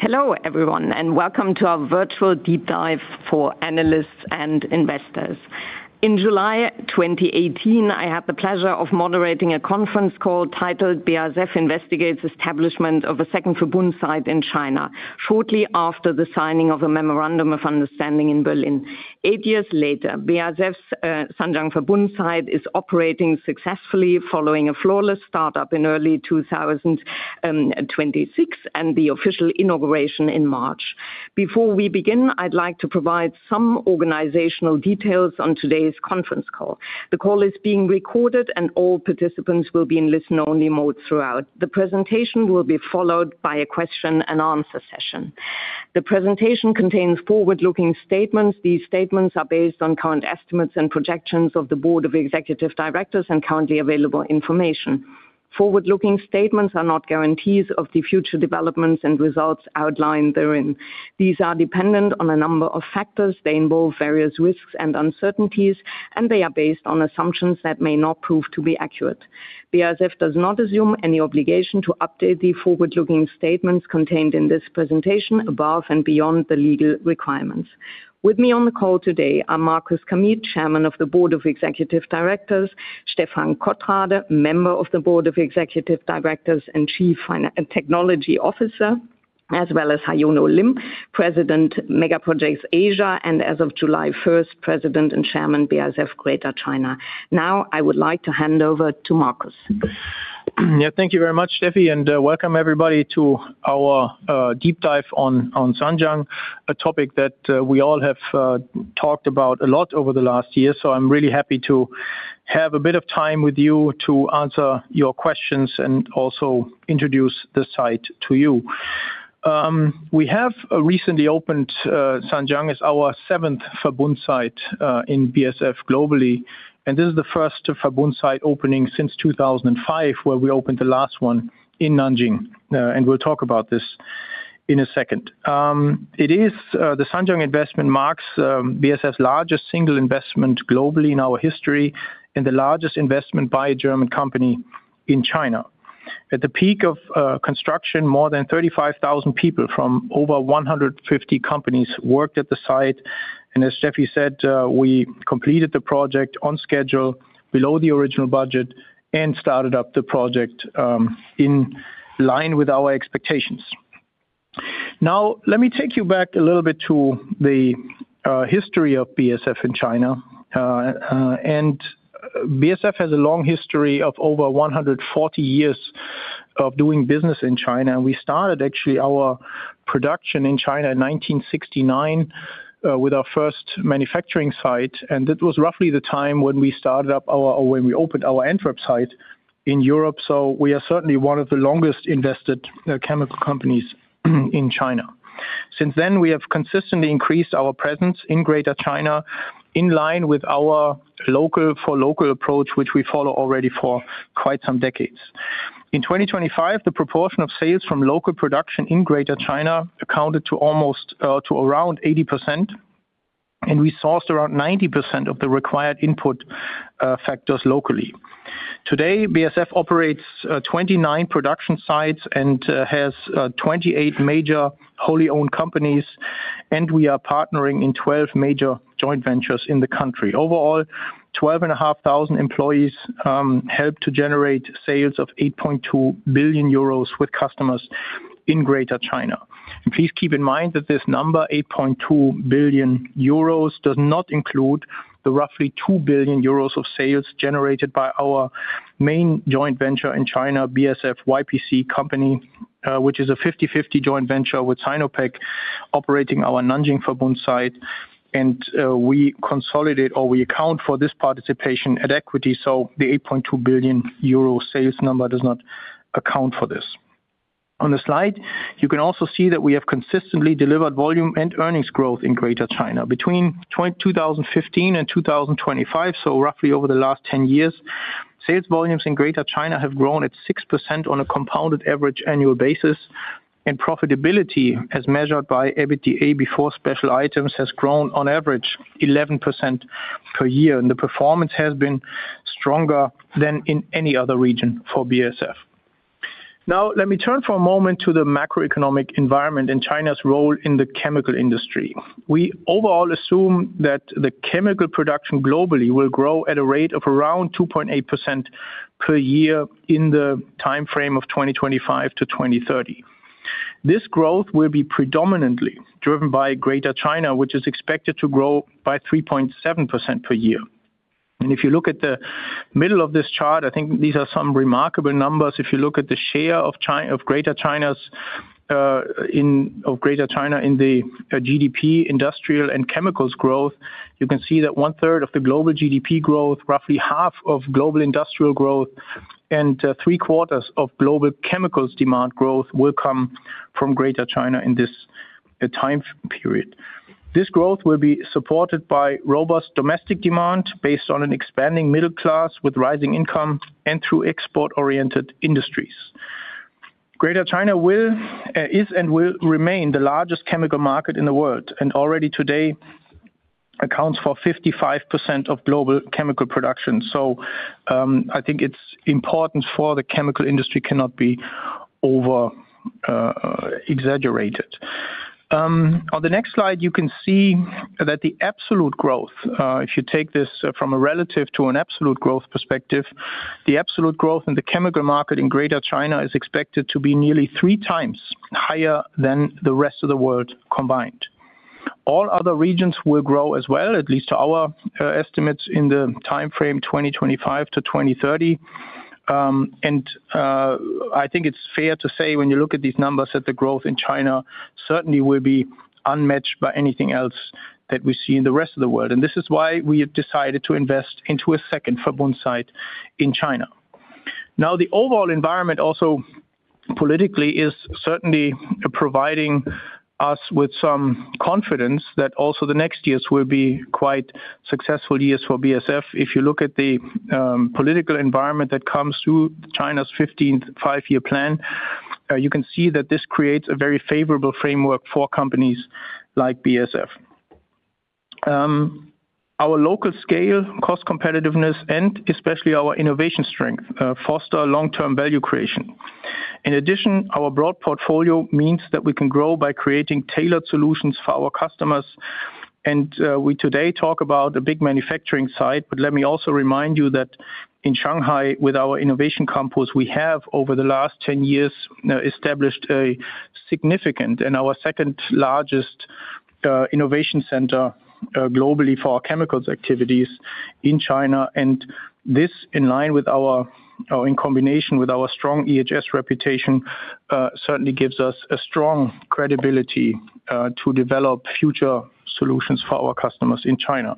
Hello, everyone. Welcome to our virtual deep dive for analysts and investors. In July 2018, I had the pleasure of moderating a conference call titled, BASF Investigates Establishment of a second Verbund Site in China, shortly after the signing of a memorandum of understanding in Berlin. Eight years later, BASF's Zhanjiang Verbund Site is operating successfully following a flawless startup in early 2026 and the official inauguration in March. Before we begin, I'd like to provide some organizational details on today's conference call. The call is being recorded, and all participants will be in listen-only mode throughout. The presentation will be followed by a question-and-answer session. The presentation contains forward-looking statements. These statements are based on current estimates and projections of the Board of Executive Directors and currently available information. Forward-looking statements are not guarantees of the future developments and results outlined therein. These are dependent on a number of factors, they involve various risks and uncertainties. They are based on assumptions that may not prove to be accurate. BASF does not assume any obligation to update the forward-looking statements contained in this presentation above and beyond the legal requirements. With me on the call today are Markus Kamieth, Chairman of the Board of Executive Directors, Stephan Kothrade, Member of the Board of Executive Directors and Chief Technology Officer, as well as Haryono Lim, President, Mega Projects Asia, and as of July 1st, President and Chairman, BASF Greater China. I would like to hand over to Markus. Thank you very much, Steffi. Welcome everybody to our deep dive on Zhanjiang, a topic that we all have talked about a lot over the last year. I'm really happy to have a bit of time with you to answer your questions and also introduce the site to you. We have recently opened Zhanjiang as our seventh Verbund Site in BASF globally. This is the first Verbund Site opening since 2005, where we opened the last one in Nanjing. We'll talk about this in a second. The Zhanjiang investment marks BASF's largest single investment globally in our history and the largest investment by a German company in China. At the peak of construction, more than 35,000 people from over 150 companies worked at the site. As Steffi said, we completed the project on schedule below the original budget and started up the project in-line with our expectations. Let me take you back a little bit to the history of BASF in China. BASF has a long history of over 140 years of doing business in China. We started actually our production in China in 1969 with our first manufacturing site. It was roughly the time when we opened our Antwerp site in Europe. We are certainly one of the longest invested chemical companies in China. Since then, we have consistently increased our presence in Greater China in line with our local-for-local approach, which we follow already for quite some decades. In 2025, the proportion of sales from local production in Greater China accounted to around 80%. We sourced around 90% of the required input factors locally. Today, BASF operates 29 production sites and has 28 major wholly owned companies. We are partnering in 12 major joint ventures in the country. Overall, 12,500 employees help to generate sales of 8.2 billion euros with customers in Greater China. Please keep in mind that this number, 8.2 billion euros, does not include the roughly 2 billion euros of sales generated by our main joint venture in China, BASF-YPC Company Limited, which is a 50/50 joint venture with Sinopec operating our Nanjing Verbund Site. We consolidate or we account for this participation at equity. The 8.2 billion euro sales number does not account for this. On the slide, you can also see that we have consistently delivered volume and earnings growth in Greater China. Between 2015 and 2025, so roughly over the last 10 years, sales volumes in Greater China have grown at 6% on a compounded average annual basis. Profitability, as measured by EBITDA before special items, has grown on average 11% per year. The performance has been stronger than in any other region for BASF. Now, let me turn for a moment to the macroeconomic environment and China's role in the chemical industry. We overall assume that the chemical production globally will grow at a rate of around 2.8% per year in the timeframe of 2025 to 2030. This growth will be predominantly driven by Greater China, which is expected to grow by 3.7% per year. If you look at the middle of this chart, I think these are some remarkable numbers. If you look at the share of Greater China in the GDP industrial and chemicals growth, you can see that one-third of the global GDP growth, roughly half of global industrial growth, and three-quarters of global chemicals demand growth will come from Greater China in this time period. This growth will be supported by robust domestic demand based on an expanding middle class with rising income and through export-oriented industries. Greater China is and will remain the largest chemical market in the world, and already today accounts for 55% of global chemical production. I think its importance for the chemical industry cannot be over-exaggerated. On the next slide, you can see that the absolute growth, if you take this from a relative to an absolute growth perspective, the absolute growth in the chemical market in Greater China is expected to be nearly 3x higher than the rest of the world combined. All other regions will grow as well, at least to our estimates in the timeframe 2025 to 2030. I think it's fair to say, when you look at these numbers, that the growth in China certainly will be unmatched by anything else that we see in the rest of the world. This is why we have decided to invest into a second Verbund site in China. Now, the overall environment also politically is certainly providing us with some confidence that also the next years will be quite successful years for BASF. If you look at the political environment that comes through China's 15th Five-Year Plan, you can see that this creates a very favorable framework for companies like BASF. Our local scale, cost competitiveness, and especially our innovation strength foster long-term value creation. In addition, our broad portfolio means that we can grow by creating tailored solutions for our customers. We today talk about the big manufacturing site, but let me also remind you that in Shanghai with our innovation campus, we have over the last 10 years now established a significant and our second-largest innovation center globally for our chemicals activities in China. This, in combination with our strong EHS reputation, certainly gives us a strong credibility to develop future solutions for our customers in China.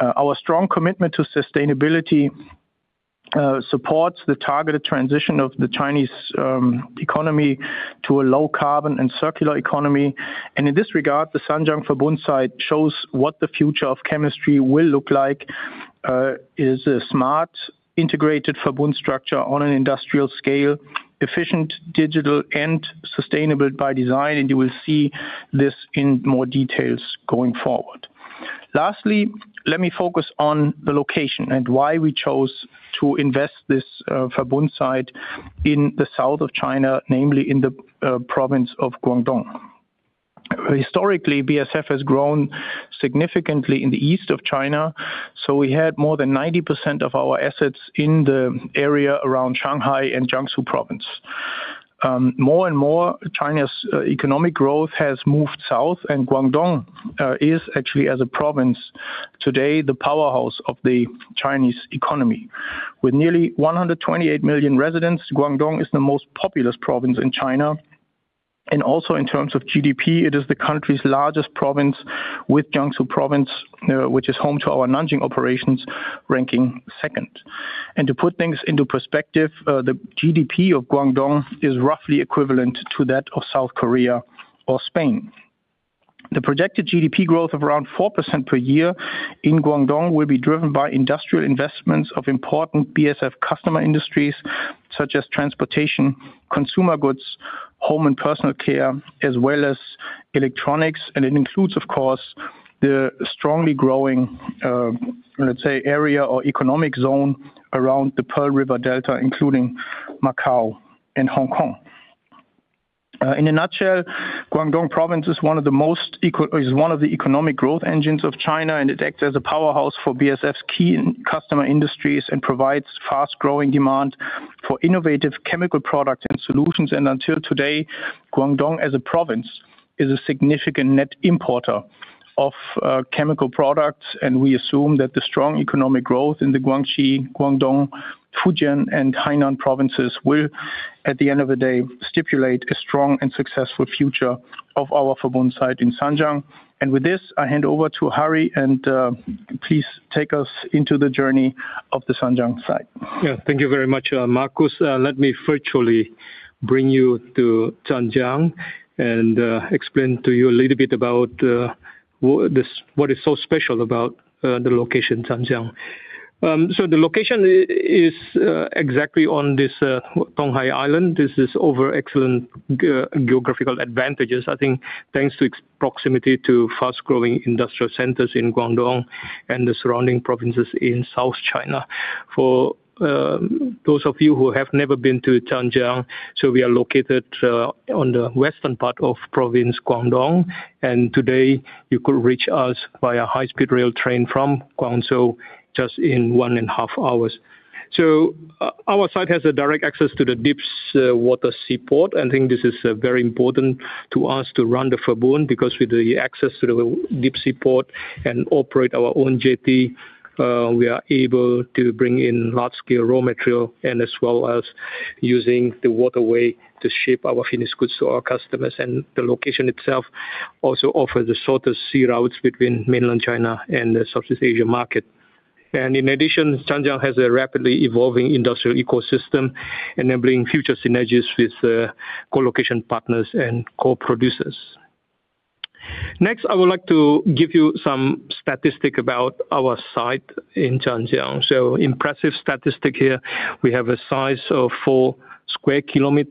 Our strong commitment to sustainability supports the targeted transition of the Chinese economy to a low carbon and circular economy. In this regard, the Zhanjiang Verbund site shows what the future of chemistry will look like, is a smart integrated Verbund structure on an industrial scale, efficient, digital, and sustainable by design, and you will see this in more details going forward. Lastly, let me focus on the location and why we chose to invest this Verbund site in the south of China, namely in the province of Guangdong. Historically, BASF has grown significantly in the east of China, so we had more than 90% of our assets in the area around Shanghai and Jiangsu Province. More and more, China's economic growth has moved south and Guangdong is actually as a province today, the powerhouse of the Chinese economy. With nearly 128 million residents, Guangdong is the most populous province in China. Also in terms of GDP, it is the country's largest province with Jiangsu Province, which is home to our Nanjing operations, ranking second. To put things into perspective, the GDP of Guangdong is roughly equivalent to that of South Korea or Spain. The projected GDP growth of around 4% per year in Guangdong will be driven by industrial investments of important BASF customer industries such as transportation, consumer goods, home and personal care, as well as electronics. It includes, of course, the strongly growing, let's say, area or economic zone around the Pearl River Delta, including Macau and Hong Kong. In a nutshell, Guangdong province is one of the economic growth engines of China, and it acts as a powerhouse for BASF's key customer industries and provides fast-growing demand for innovative chemical products and solutions. Until today, Guangdong as a province is a significant net importer of chemical products, and we assume that the strong economic growth in the Guangxi, Guangdong, Fujian, and Hainan provinces will, at the end of the day, stipulate a strong and successful future of our Verbund site in Zhanjiang. With this, I hand over to Harry and please take us into the journey of the Zhanjiang site. Thank you very much, Markus. Let me virtually bring you to Zhanjiang and explain to you a little bit about what is so special about the location, Zhanjiang. The location is exactly on this Donghai Island. This is over excellent geographical advantages, I think, thanks to its proximity to fast-growing industrial centers in Guangdong and the surrounding provinces in South China. For those of you who have never been to Zhanjiang, we are located on the western part of province Guangdong, and today you could reach us via high-speed rail train from Guangzhou just in one and half hours. Our site has a direct access to the deep water seaport. I think this is very important to us to run the Verbund because with the access to the deep seaport and operate our own jetty, we are able to bring in large-scale raw material and as well as using the waterway to ship our finished goods to our customers. The location itself also offers the shortest sea routes between mainland China and the Southeast Asia market. In addition, Zhanjiang has a rapidly evolving industrial ecosystem, enabling future synergies with co-location partners and co-producers. Next, I would like to give you some statistic about our site in Zhanjiang. Impressive statistic here. We have a size of 4 sq km,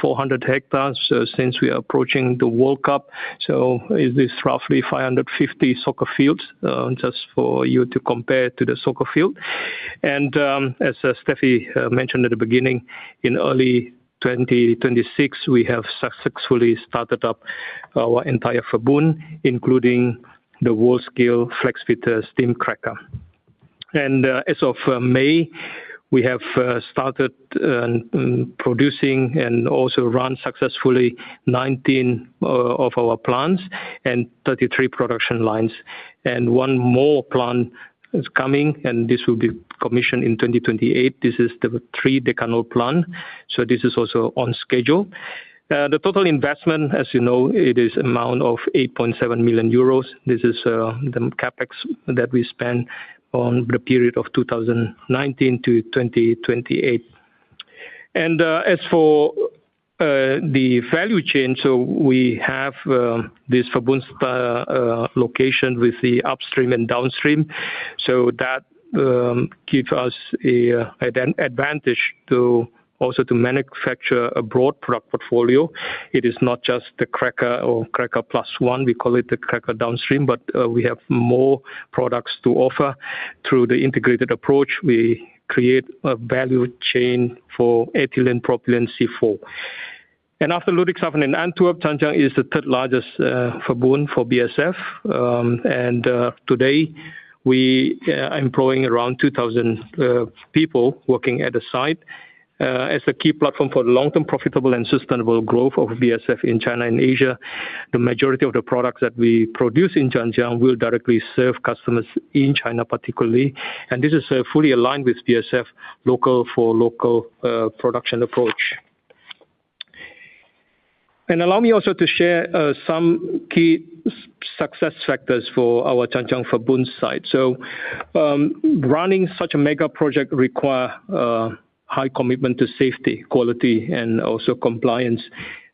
400 hectares, since we are approaching the World Cup, this is roughly 550 soccer fields, just for you to compare to the soccer field. As Steffi mentioned at the beginning, in early 2026, we have successfully started up our entire Verbund, including the world-scale flex-feed steam cracker. As of May, we have started producing and also run successfully 19 of our plants and 33 production lines. One more plant is coming, and this will be commissioned in 2028. This is the tridecanol plant. This is also on schedule. The total investment, as you know, it is amount of 8.7 billion euros. This is the CapEx that we spent on the period of 2019 to 2028. As for the value chain, we have this Verbund location with the upstream and downstream. That give us an advantage also to manufacture a broad product portfolio. It is not just the cracker or cracker plus one, we call it the cracker downstream, but we have more products to offer. Through the integrated approach, we create a value chain for ethylene, propylene, C4. After Ludwigshafen and Antwerp, Zhanjiang is the third-largest Verbund for BASF. Today, we are employing around 2,000 people working at the site. As a key platform for the long-term profitable and sustainable growth of BASF in China and Asia, the majority of the products that we produce in Zhanjiang will directly serve customers in China particularly. This is fully aligned with BASF local-for-local production approach. Allow me also to share some key success factors for our Zhanjiang Verbund site. Running such a mega project require high commitment to safety, quality, and also compliance.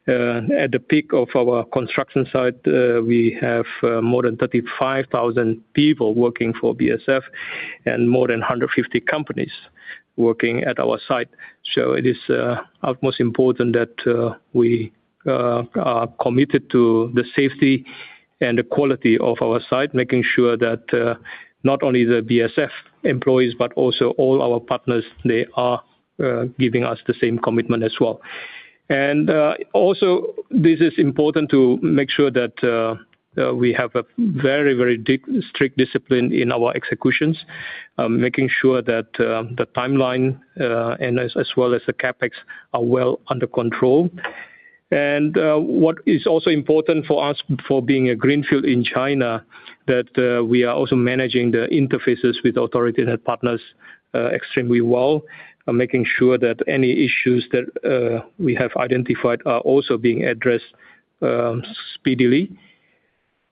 At the peak of our construction site, we have more than 35,000 people working for BASF and more than 150 companies working at our site. It is utmost important that we are committed to the safety and the quality of our site, making sure that not only the BASF employees, but also all our partners, they are giving us the same commitment as well. This is important to make sure that we have a very, very strict discipline in our executions, making sure that the timeline, and as well as the CapEx, are well under control. What is also important for us for being a greenfield in China, that we are also managing the interfaces with authority and partners extremely well, making sure that any issues that we have identified are also being addressed speedily.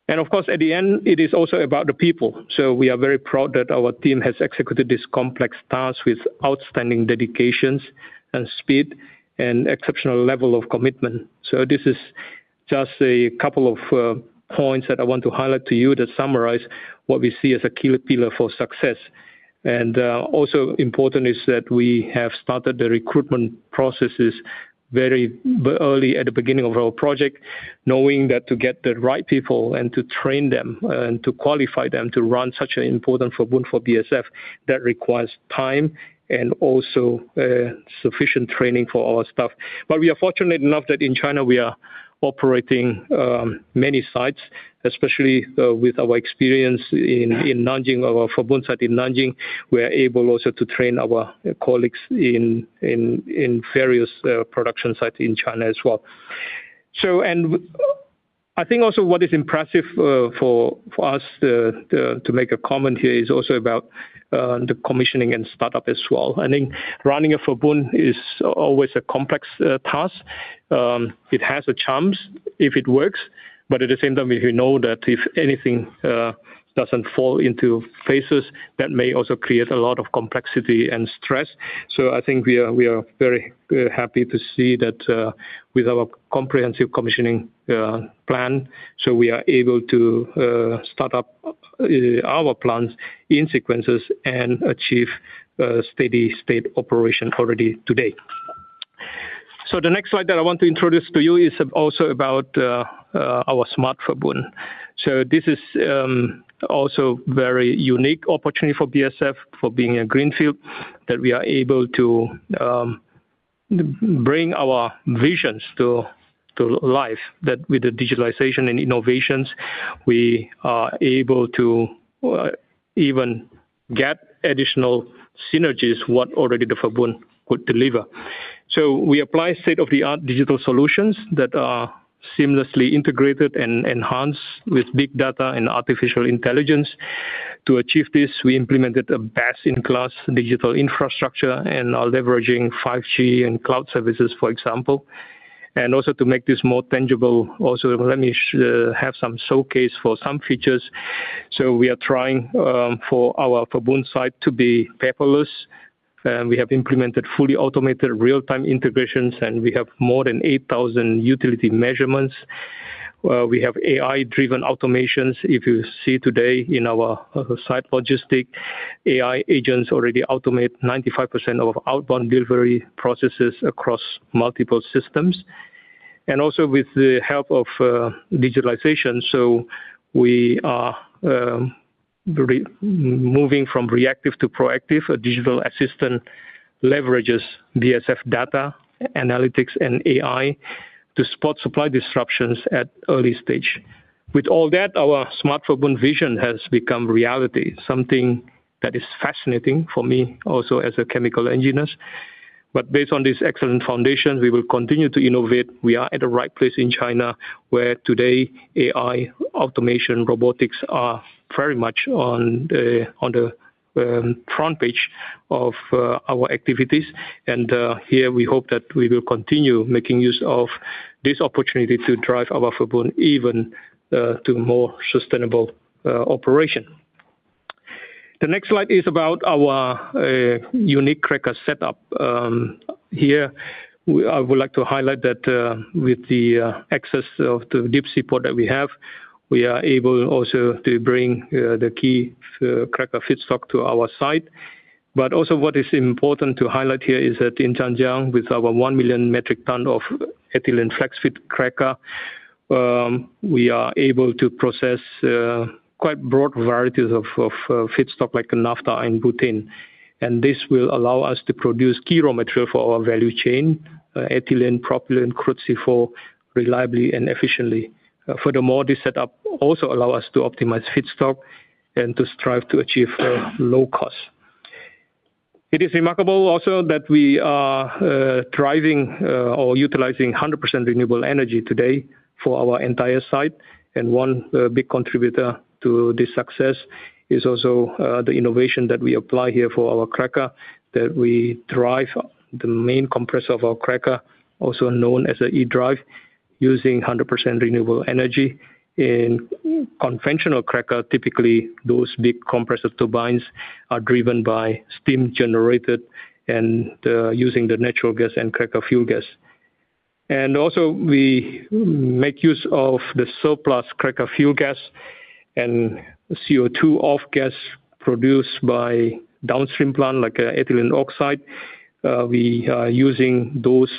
Of course, at the end, it is also about the people. We are very proud that our team has executed this complex task with outstanding dedications and speed and exceptional level of commitment. This is just a couple of points that I want to highlight to you to summarize what we see as a key pillar for success. Important is that we have started the recruitment processes very early at the beginning of our project, knowing that to get the right people and to train them and to qualify them to run such an important Verbund for BASF, that requires time and also sufficient training for our staff. We are fortunate enough that in China, we are operating many sites, especially with our experience in Nanjing, our Verbund site in Nanjing. We are able also to train our colleagues in various production sites in China as well. What is impressive for us to make a comment here is also about the commissioning and startup as well. Running a Verbund is always a complex task. It has a chance if it works, but at the same time, we know that if anything doesn't fall into places, that may also create a lot of complexity and stress. We are very happy to see that with our comprehensive commissioning plan, we are able to start up our plants in sequences and achieve steady state operation already today. The next slide that I want to introduce to you is also about our smart Verbund. This is also very unique opportunity for BASF for being a greenfield, that we are able to bring our visions to life. That with the digitalization and innovations, we are able to even get additional synergies what already the Verbund could deliver. We apply state-of-the-art digital solutions that are seamlessly integrated and enhanced with big data and artificial intelligence. To achieve this, we implemented a best-in-class digital infrastructure and are leveraging 5G and cloud services, for example. To make this more tangible also, let me have some showcase for some features. We are trying for our Verbund site to be paperless. We have implemented fully automated real-time integrations, and we have more than 8,000 utility measurements. We have AI-driven automations. If you see today in our site logistic, AI agents already automate 95% of outbound delivery processes across multiple systems. With the help of digitalization, we are moving from reactive to proactive. A digital assistant leverages BASF data, analytics, and AI to spot supply disruptions at early stage. With all that, our smart Verbund vision has become reality. Something that is fascinating for me also as a chemical engineer. Based on this excellent foundation, we will continue to innovate. We are at the right place in China, where today, AI, automation, robotics are very much on the front page of our activities. Here, we hope that we will continue making use of this opportunity to drive our Verbund even to more sustainable operation. The next slide is about our unique cracker setup. Here, I would like to highlight that with the access of the deep sea port that we have, we are able also to bring the key cracker feedstock to our site. Also what is important to highlight here is that in Zhanjiang, with our 1 million metric ton of ethylene flex-feed cracker, we are able to process quite broad varieties of feedstock like naphtha and butane. This will allow us to produce key raw material for our value chain, ethylene, propylene, crude C4 reliably and efficiently. Furthermore, this setup also allow us to optimize feedstock and to strive to achieve low cost. It is remarkable also that we are utilizing 100% renewable energy today for our entire site. One big contributor to this success is also the innovation that we apply here for our cracker, that we drive the main compressor of our cracker, also known as an E-drive, using 100% renewable energy. In conventional cracker, typically, those big compressor turbines are driven by steam generated and using the natural gas and cracker fuel gas. Also, we make use of the surplus cracker fuel gas and CO2 off gas produced by downstream plant like ethylene oxide. We are using those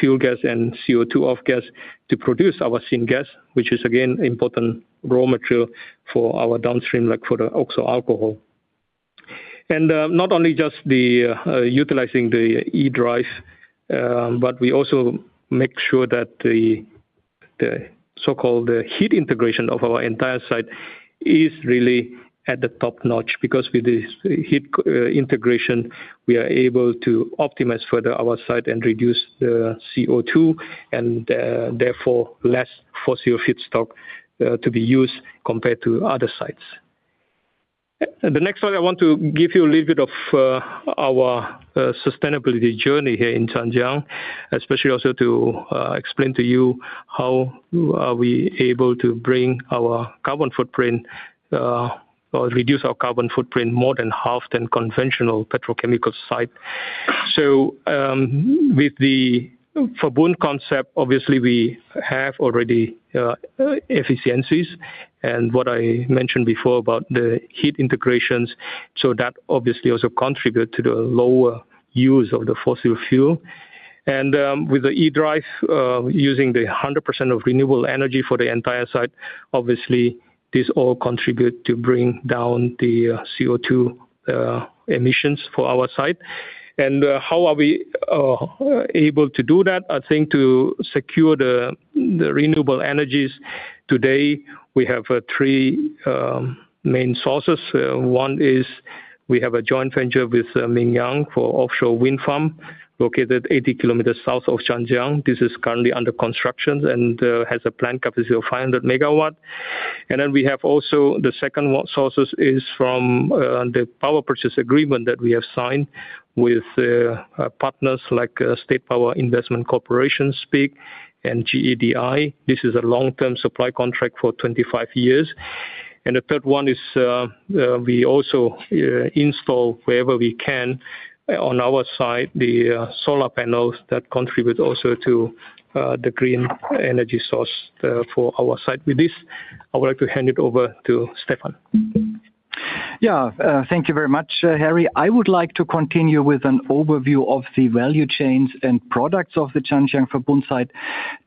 fuel gas and CO2 off gas to produce our syngas, which is again, important raw material for our downstream like for the oxo alcohol. Not only just utilizing the E-drive, but we also make sure that the so-called heat integration of our entire site is really at the top-notch, because with this heat integration, we are able to optimize further our site and reduce the CO2 and therefore less fossil feedstock to be used compared to other sites. The next slide I want to give you a little bit of our sustainability journey here in Zhanjiang, especially also to explain to you how are we able to bring our carbon footprint or reduce our carbon footprint more than half than conventional petrochemical site. With the Verbund concept, obviously we have already efficiencies and what I mentioned before about the heat integrations, that obviously also contribute to the lower use of the fossil fuel. With the E-drive, using the 100% of renewable energy for the entire site, obviously this all contribute to bring down the CO2 emissions for our site. How are we able to do that? I think to secure the renewable energies today, we have three main sources. One is we have a joint venture with Mingyang for offshore wind farm located 80 km south of Zhanjiang. This is currently under construction and has a planned capacity of 500 MW. Then we have also the second sources is from the power purchase agreement that we have signed with partners like State Power Investment Corporation, SPIC and GEDI. This is a long-term supply contract for 25 years. The third one is, we also install wherever we can on our site, the solar panels that contribute also to the green energy source for our site. With this, I would like to hand it over to Stephan. Thank you very much, Harry. I would like to continue with an overview of the value chains and products of the Zhanjiang Verbund site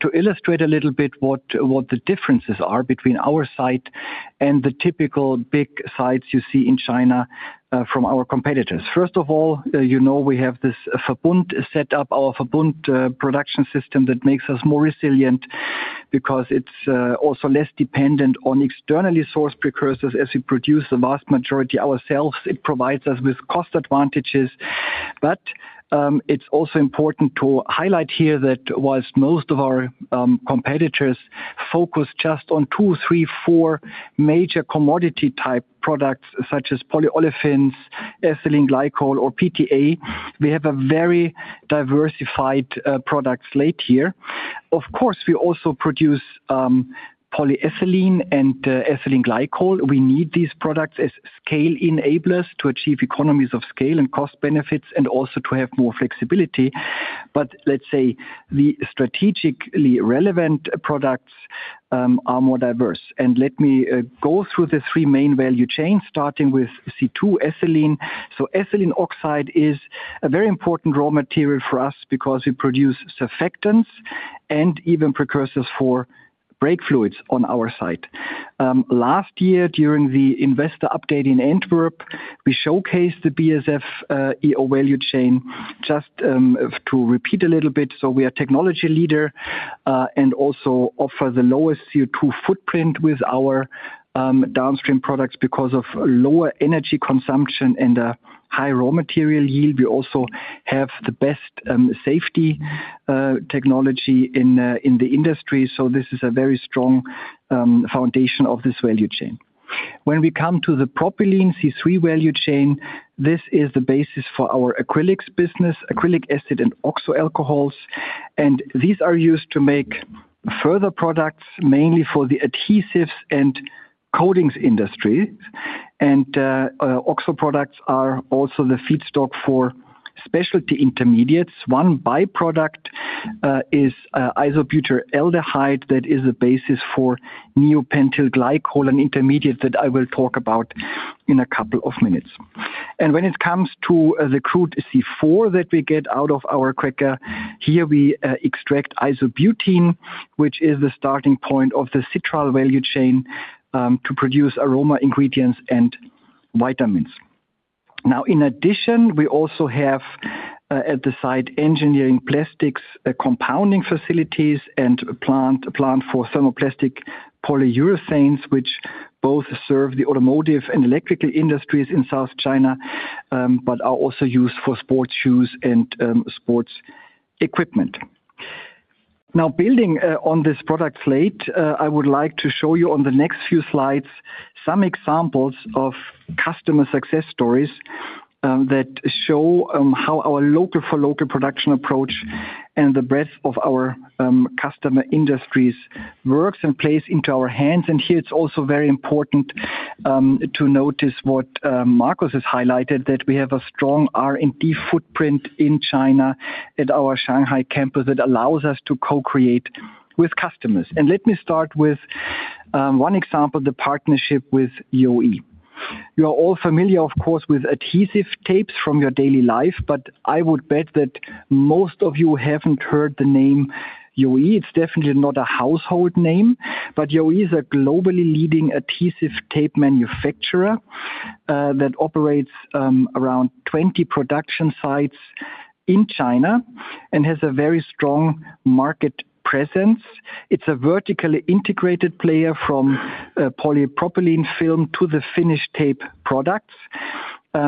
to illustrate a little bit what the differences are between our site and the typical big sites you see in China from our competitors. First of all, you know we have this Verbund set up, our Verbund production system that makes us more resilient because it's also less dependent on externally sourced precursors as we produce the vast majority ourselves. It provides us with cost advantages. It's also important to highlight here that whilst most of our competitors focus just on two, three, four major commodity-type products such as polyolefins, ethylene glycol or PTA, we have a very diversified product slate here. Of course, we also produce polyethylene and ethylene glycol. We need these products as scale enablers to achieve economies of scale and cost benefits, and also to have more flexibility. The strategically relevant products are more diverse. Let me go through the three main value chains, starting with C2 ethylene. Ethylene oxide is a very important raw material for us because we produce surfactants and even precursors for brake fluids on our site. Last year, during the Investor Update in Antwerp, we showcased the BASF EO value chain. Just to repeat a little bit, we are technology leader and also offer the lowest CO2 footprint with our downstream products because of lower energy consumption and a high raw material yield. We also have the best safety technology in the industry. This is a very strong foundation of this value chain. When we come to the propylene C3 value chain, this is the basis for our acrylics business, acrylic acid and oxo alcohols. These are used to make further products, mainly for the adhesives and coatings industry. Oxo products are also the feedstock for specialty intermediates. One by-product is isobutyraldehyde, that is a basis for neopentyl glycol, an intermediate that I will talk about in a couple of minutes. When it comes to the crude C4 that we get out of our cracker, here we extract isobutene, which is the starting point of the citral value chain to produce aroma ingredients and vitamins. Now, in addition, we also have at the site, engineering plastics compounding facilities and a plant for thermoplastic polyurethanes which both serve the automotive and electrical industries in South China, but are also used for sports shoes and sports equipment. Now, building on this product slate, I would like to show you on the next few slides, some examples of customer success stories that show how our local-for-local production approach and the breadth of our customer industries works and plays into our hands. Here it is also very important to notice what Markus has highlighted, that we have a strong R&D footprint in China at our Shanghai campus that allows us to co-create with customers. Let me start with one example, the partnership with Youyi. You are all familiar, of course, with adhesive tapes from your daily life, but I would bet that most of you have not heard the name Youyi. It is definitely not a household name, but Youyi is a globally leading adhesive tape manufacturer that operates around 20 production sites in China and has a very strong market presence. It is a vertically integrated player from polypropylene film to the finished tape products. They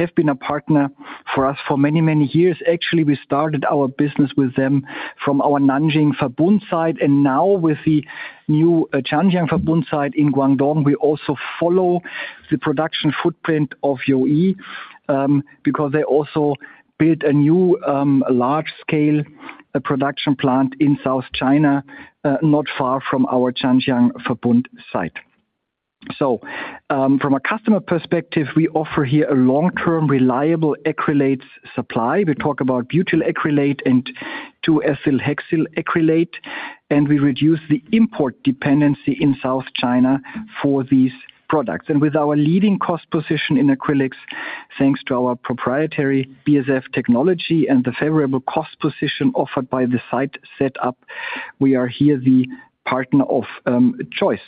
have been a partner for us for many, many years. Actually, we started our business with them from our Nanjing Verbund site, and now with the new Zhanjiang Verbund site in Guangdong. We also follow the production footprint of Youyi, because they also built a new, large-scale production plant in South China, not far from our Zhanjiang Verbund site. From a customer perspective, we offer here a long-term, reliable acrylate supply. We talk about butyl acrylate and 2-Ethylhexyl acrylate, and we reduce the import dependency in South China for these products. With our leading cost position in acrylics, thanks to our proprietary BASF technology and the favorable cost position offered by the site set up, we are here the partner of choice.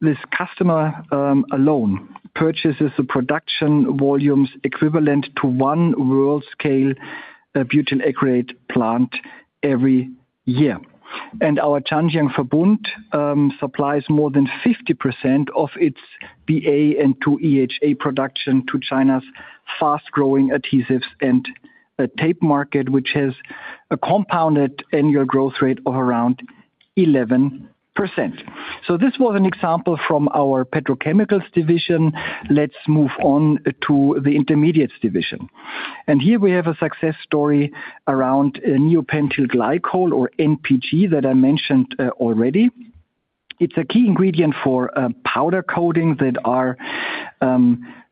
This customer alone purchases the production volumes equivalent to one world-scale butyl acrylate plant every year. Our Zhanjiang Verbund supplies more than 50% of its BA and 2-EHA production to China's fast-growing adhesives and tape market, which has a compounded annual growth rate of around 11%. This was an example from our Petrochemicals division. Let us move on to the Intermediates division. Here we have a success story around neopentyl glycol or NPG that I mentioned already. It is a key ingredient for powder coatings that are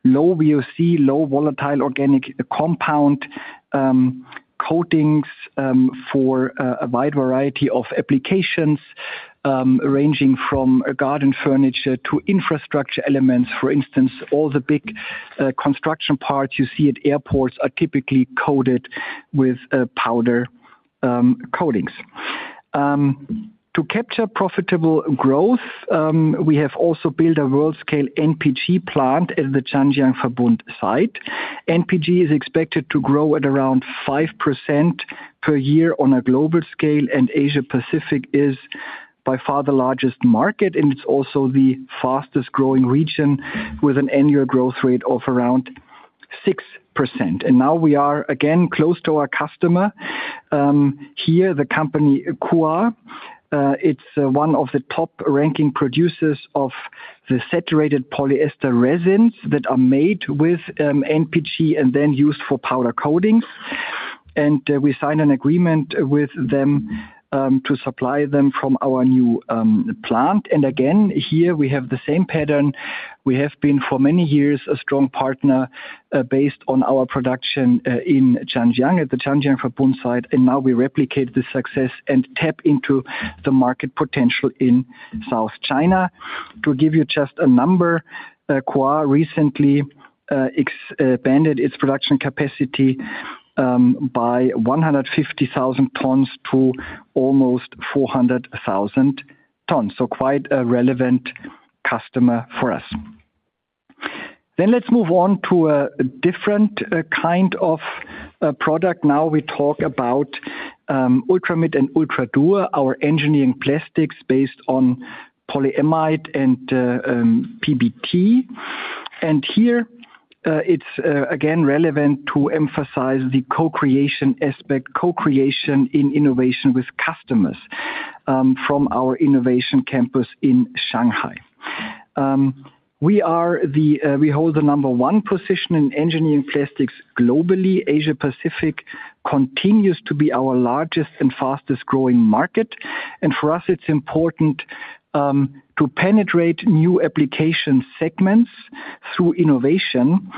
low VOC, low volatile organic compound coatings for a wide variety of applications, ranging from garden furniture to infrastructure elements. For instance, all the big construction parts you see at airports are typically coated with powder coatings. To capture profitable growth, we have also built a world-scale NPG plant at the Zhanjiang Verbund site. NPG is expected to grow at around 5% per year on a global scale, and Asia Pacific is by far the largest market, and it is also the fastest-growing region with an annual growth rate of around 6%. Now we are again close to our customer. Here, the company, Huake. It is one of the top-ranking producers of the saturated polyester resins that are made with NPG and then used for powder coatings. We signed an agreement with them to supply them from our new plant. Again, here we have the same pattern. We have been, for many years, a strong partner based on our production in Zhanjiang, at the Zhanjiang Verbund site, and now we replicate the success and tap into the market potential in South China. To give you just a number, Huake recently expanded its production capacity by 150,000 tons to almost 400,000 tons. Quite a relevant customer for us. Let's move on to a different kind of product. We talk about Ultramid and Ultradur, our engineering plastics based on polyamide and PBT. Here it's again relevant to emphasize the co-creation aspect, co-creation in innovation with customers from our innovation campus in Shanghai. We hold the number one position in engineering plastics globally. Asia Pacific continues to be our largest and fastest growing market. For us, it's important to penetrate new application segments through innovation.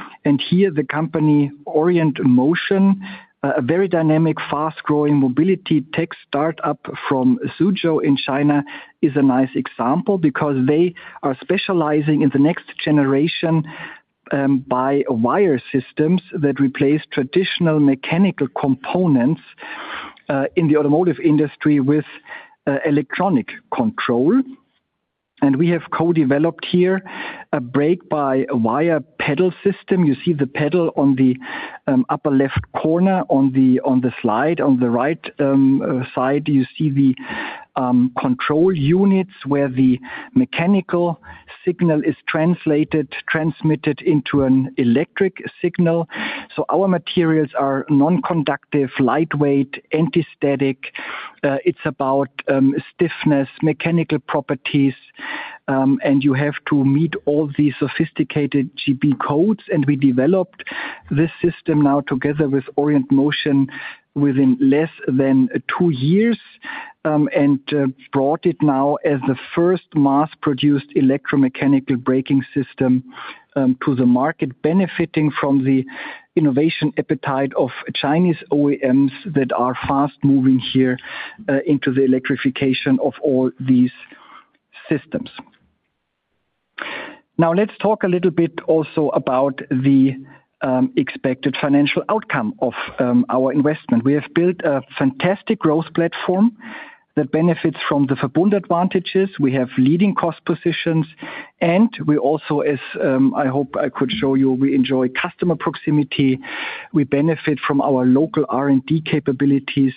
Here the company, Orient Motion, a very dynamic, fast-growing mobility tech startup from Suzhou in China, is a nice example because they are specializing in the next-generation by-wire systems that replace traditional mechanical components in the automotive industry with electronic control. We have co-developed here a brake-by-wire pedal system. You see the pedal on the upper left corner on the slide. On the right side, you see the control units where the mechanical signal is transmitted into an electric signal. Our materials are non-conductive, lightweight, anti-static. It's about stiffness, mechanical properties, and you have to meet all the sophisticated GB codes. We developed this system now together with Orient Motion within less than two years, and brought it now as the first mass-produced electromechanical braking system to the market, benefiting from the innovation appetite of Chinese OEMs that are fast moving here into the electrification of all these systems. Let's talk a little bit also about the expected financial outcome of our investment. We have built a fantastic growth platform that benefits from the Verbund advantages. We have leading cost positions. We also, as I hope I could show you, we enjoy customer proximity. We benefit from our local R&D capabilities.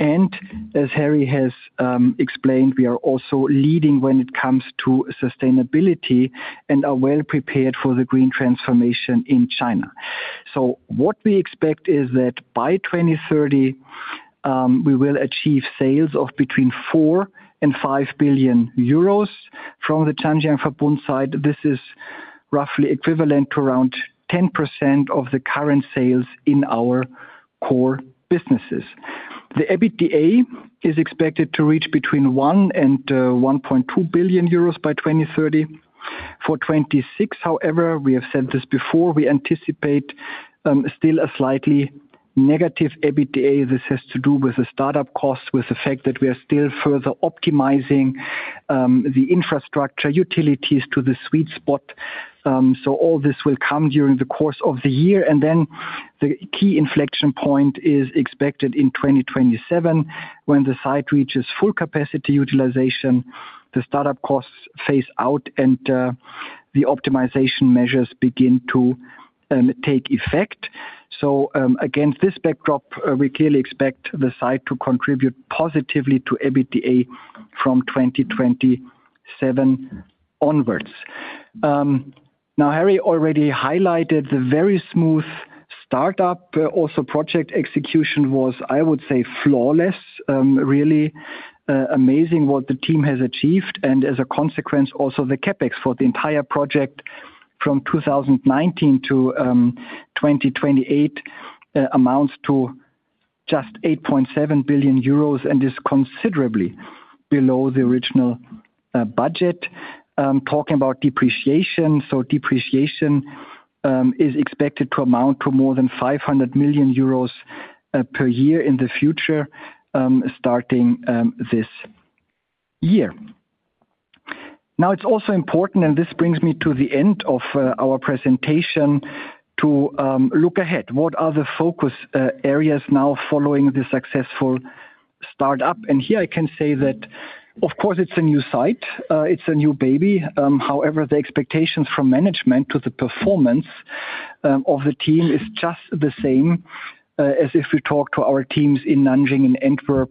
As Harry has explained, we are also leading when it comes to sustainability and are well prepared for the green transformation in China. What we expect is that by 2030, we will achieve sales of between 4 billion and 5 billion euros from the Zhanjiang Verbund site. This is roughly equivalent to around 10% of the current sales in our core businesses. The EBITDA is expected to reach between 1 billion and 1.2 billion euros by 2030. For 2026, however, we have said this before, we anticipate still a slightly negative EBITDA. This has to do with the startup costs, with the fact that we are still further optimizing the infrastructure utilities to the sweet spot. All this will come during the course of the year. The key inflection point is expected in 2027 when the site reaches full capacity utilization, the startup costs phase out, and the optimization measures begin to take effect. Against this backdrop, we clearly expect the site to contribute positively to EBITDA from 2027 onwards. Harry already highlighted the very smooth startup. Also project execution was, I would say, flawless. Really amazing what the team has achieved. As a consequence, also the CapEx for the entire project from 2019 to 2028 amounts to just 8.7 billion euros and is considerably below the original budget. Talking about depreciation is expected to amount to more than 500 million euros per year in the future, starting this year. It's also important, and this brings me to the end of our presentation, to look ahead. What are the focus areas now following the successful startup? Here I can say that, of course, it's a new site, it's a new baby. However, the expectations from management to the performance of the team is just the same as if we talk to our teams in Nanjing and Antwerp,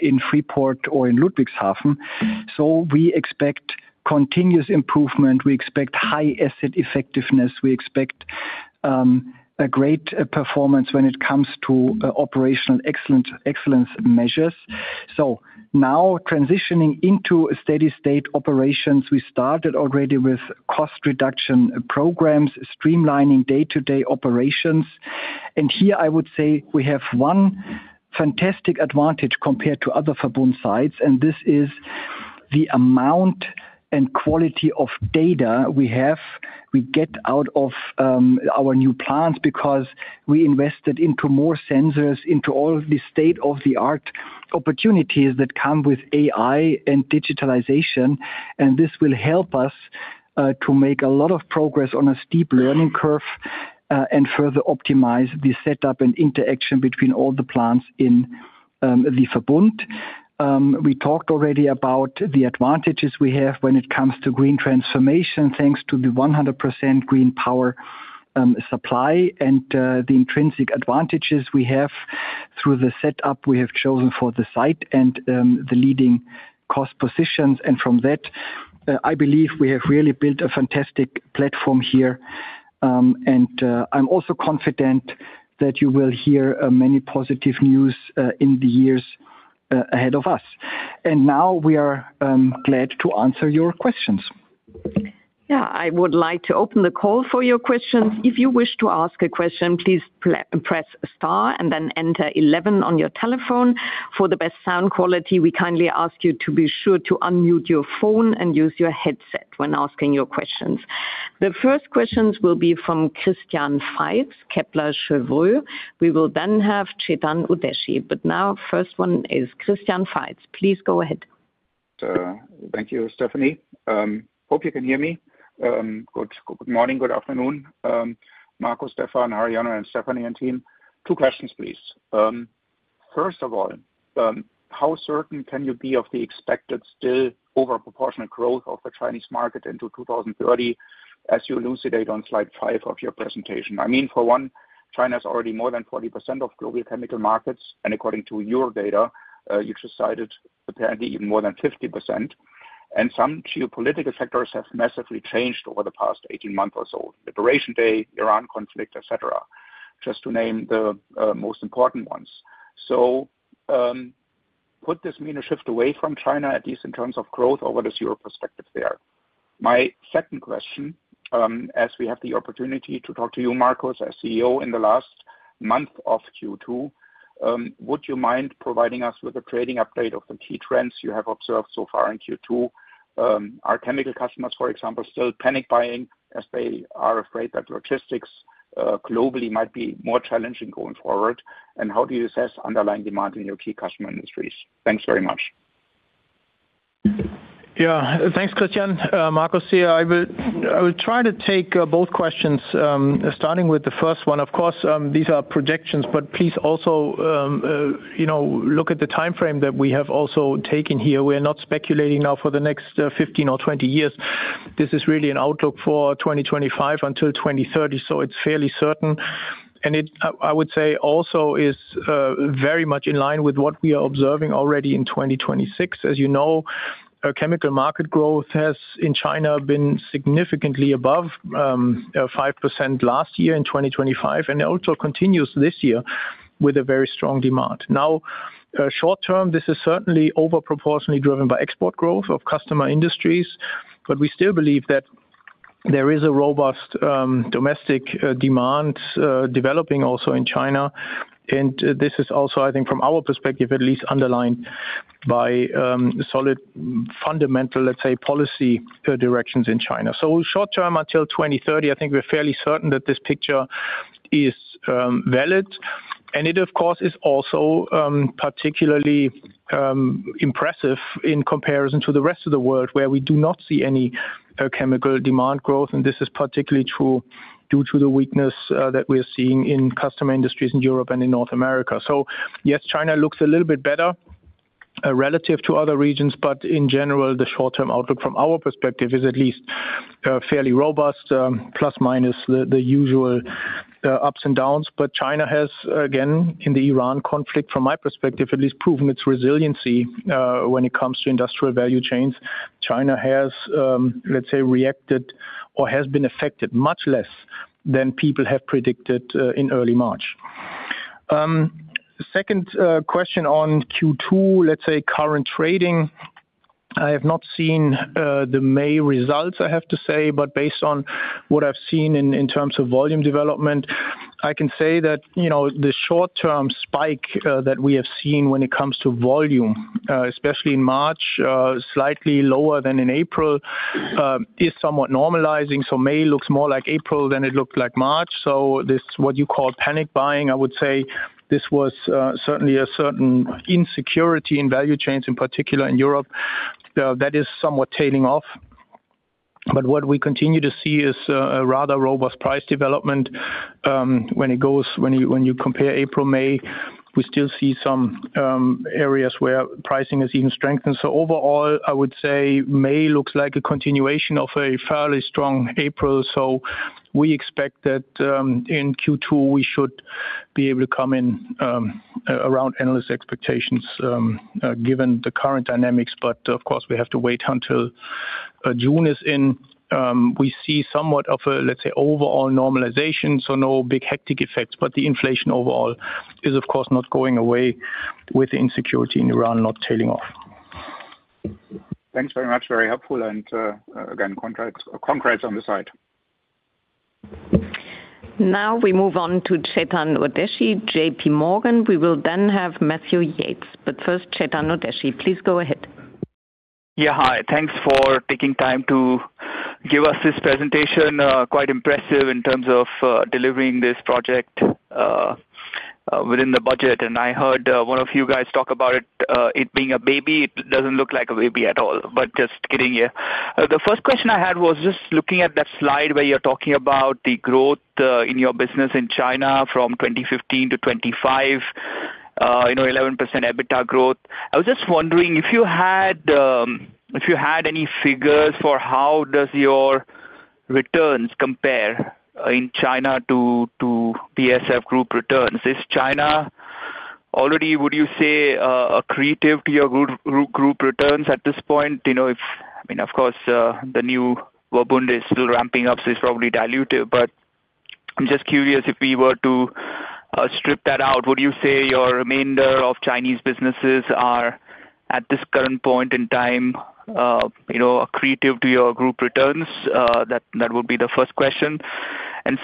in Freeport or in Ludwigshafen. We expect continuous improvement. We expect high asset effectiveness. We expect a great performance when it comes to operational excellence measures. Now transitioning into steady state operations, we started already with cost reduction programs, streamlining day-to-day operations. Here I would say we have one fantastic advantage compared to other Verbund sites, and this is the amount and quality of data we have, we get out of our new plants because we invested into more sensors, into all the state-of-the-art opportunities that come with AI and digitalization. This will help us to make a lot of progress on a steep learning curve, and further optimize the setup and interaction between all the plants in the Verbund. We talked already about the advantages we have when it comes to green transformation, thanks to the 100% green power supply and the intrinsic advantages we have through the setup we have chosen for the site and the leading cost positions. From that, I believe we have really built a fantastic platform here, and I'm also confident that you will hear many positive news in the years ahead of us. Now we are glad to answer your questions. I would like to open the call for your questions. If you wish to ask a question, please press star and then enter 11 on your telephone. For the best sound quality, we kindly ask you to be sure to unmute your phone and use your headset when asking your questions. The first questions will be from Christian Faitz, Kepler Cheuvreux. We will then have Chetan Udeshi, but now first one is Christian Faitz. Please go ahead. Thank you, Stefanie. Hope you can hear me. Good morning, good afternoon, Markus, Stephan, Haryono and Stefanie and team. Two questions, please. First of all, how certain can you be of the expected still overproportional growth of the Chinese market into 2030, as you elucidate on slide five of your presentation? I mean, for one, China is already more than 40% of global chemical markets, and according to your data, you've just cited apparently even more than 50%. Some geopolitical factors have massively changed over the past 18 months or so. Liberation Day, Iran conflict, et cetera, just to name the most important ones. Could this mean a shift away from China, at least in terms of growth, or what is your perspective there? My second question, as we have the opportunity to talk to you, Markus, as CEO in the last month of Q2, would you mind providing us with a trading update of the key trends you have observed so far in Q2? Are chemical customers, for example, still panic buying as they are afraid that logistics globally might be more challenging going forward? How do you assess underlying demand in your key customer industries? Thanks very much. Thanks, Christian. Markus here. I will try to take both questions, starting with the first one. Of course, these are projections, please also look at the timeframe that we have also taken here. We're not speculating now for the next 15 or 20 years. This is really an outlook for 2025 until 2030, so it's fairly certain. It, I would say also is very much in line with what we are observing already in 2026. As you know, chemical market growth has, in China, been significantly above 5% last year in 2025, it also continues this year with a very strong demand. Short-term, this is certainly over proportionately driven by export growth of customer industries, we still believe that there is a robust domestic demand developing also in China. This is also, I think from our perspective at least, underlined by solid, fundamental, let's say, policy directions in China. Short-term, until 2030, I think we're fairly certain that this picture is valid. It, of course, is also particularly impressive in comparison to the rest of the world, where we do not see any chemical demand growth, this is particularly true due to the weakness that we're seeing in customer industries in Europe and in North America. Yes, China looks a little bit better relative to other regions, in general, the short-term outlook from our perspective is at least fairly robust, plus minus the usual ups and downs. China has, again, in the Iran conflict, from my perspective at least, proven its resiliency when it comes to industrial value chains. China has, let's say, reacted or has been affected much less than people have predicted in early March. Second question on Q2, let's say current trading. I have not seen the May results, I have to say, based on what I've seen in terms of volume development, I can say that the short-term spike that we have seen when it comes to volume, especially in March, slightly lower than in April, is somewhat normalizing. May looks more like April than it looked like March. This, what you call panic buying, I would say this was certainly a certain insecurity in value chains, in particular in Europe. That is somewhat tailing off. What we continue to see is a rather robust price development. When you compare April, May, we still see some areas where pricing has even strengthened. Overall, I would say May looks like a continuation of a fairly strong April. We expect that in Q2, we should be able to come in around analyst expectations, given the current dynamics. Of course, we have to wait until June is in. We see somewhat of a, let's say, overall normalization, so no big hectic effects, but the inflation overall is, of course, not going away with the insecurity in Iran not tailing off. Thanks very much. Very helpful. Again, congrats on the side. We move on to Chetan Udeshi, JPMorgan. We will then have Matthew Yates. First, Chetan Udeshi, please go ahead. Hi. Thanks for taking time to give us this presentation. Quite impressive in terms of delivering this project within the budget. I heard one of you guys talk about it being a baby. It doesn't look like a baby at all, just kidding. The first question I had was just looking at that slide where you're talking about the growth in your business in China from 2015 to 2025, 11% EBITDA growth. I was just wondering if you had any figures for how does your returns compare in China to BASF Group returns? Is China already, would you say, accretive to your group returns at this point? The new Verbund is still ramping up, so it's probably dilutive, but I'm just curious if we were to strip that out, would you say your remainder of Chinese businesses are, at this current point in time, accretive to your group returns? That would be the first question.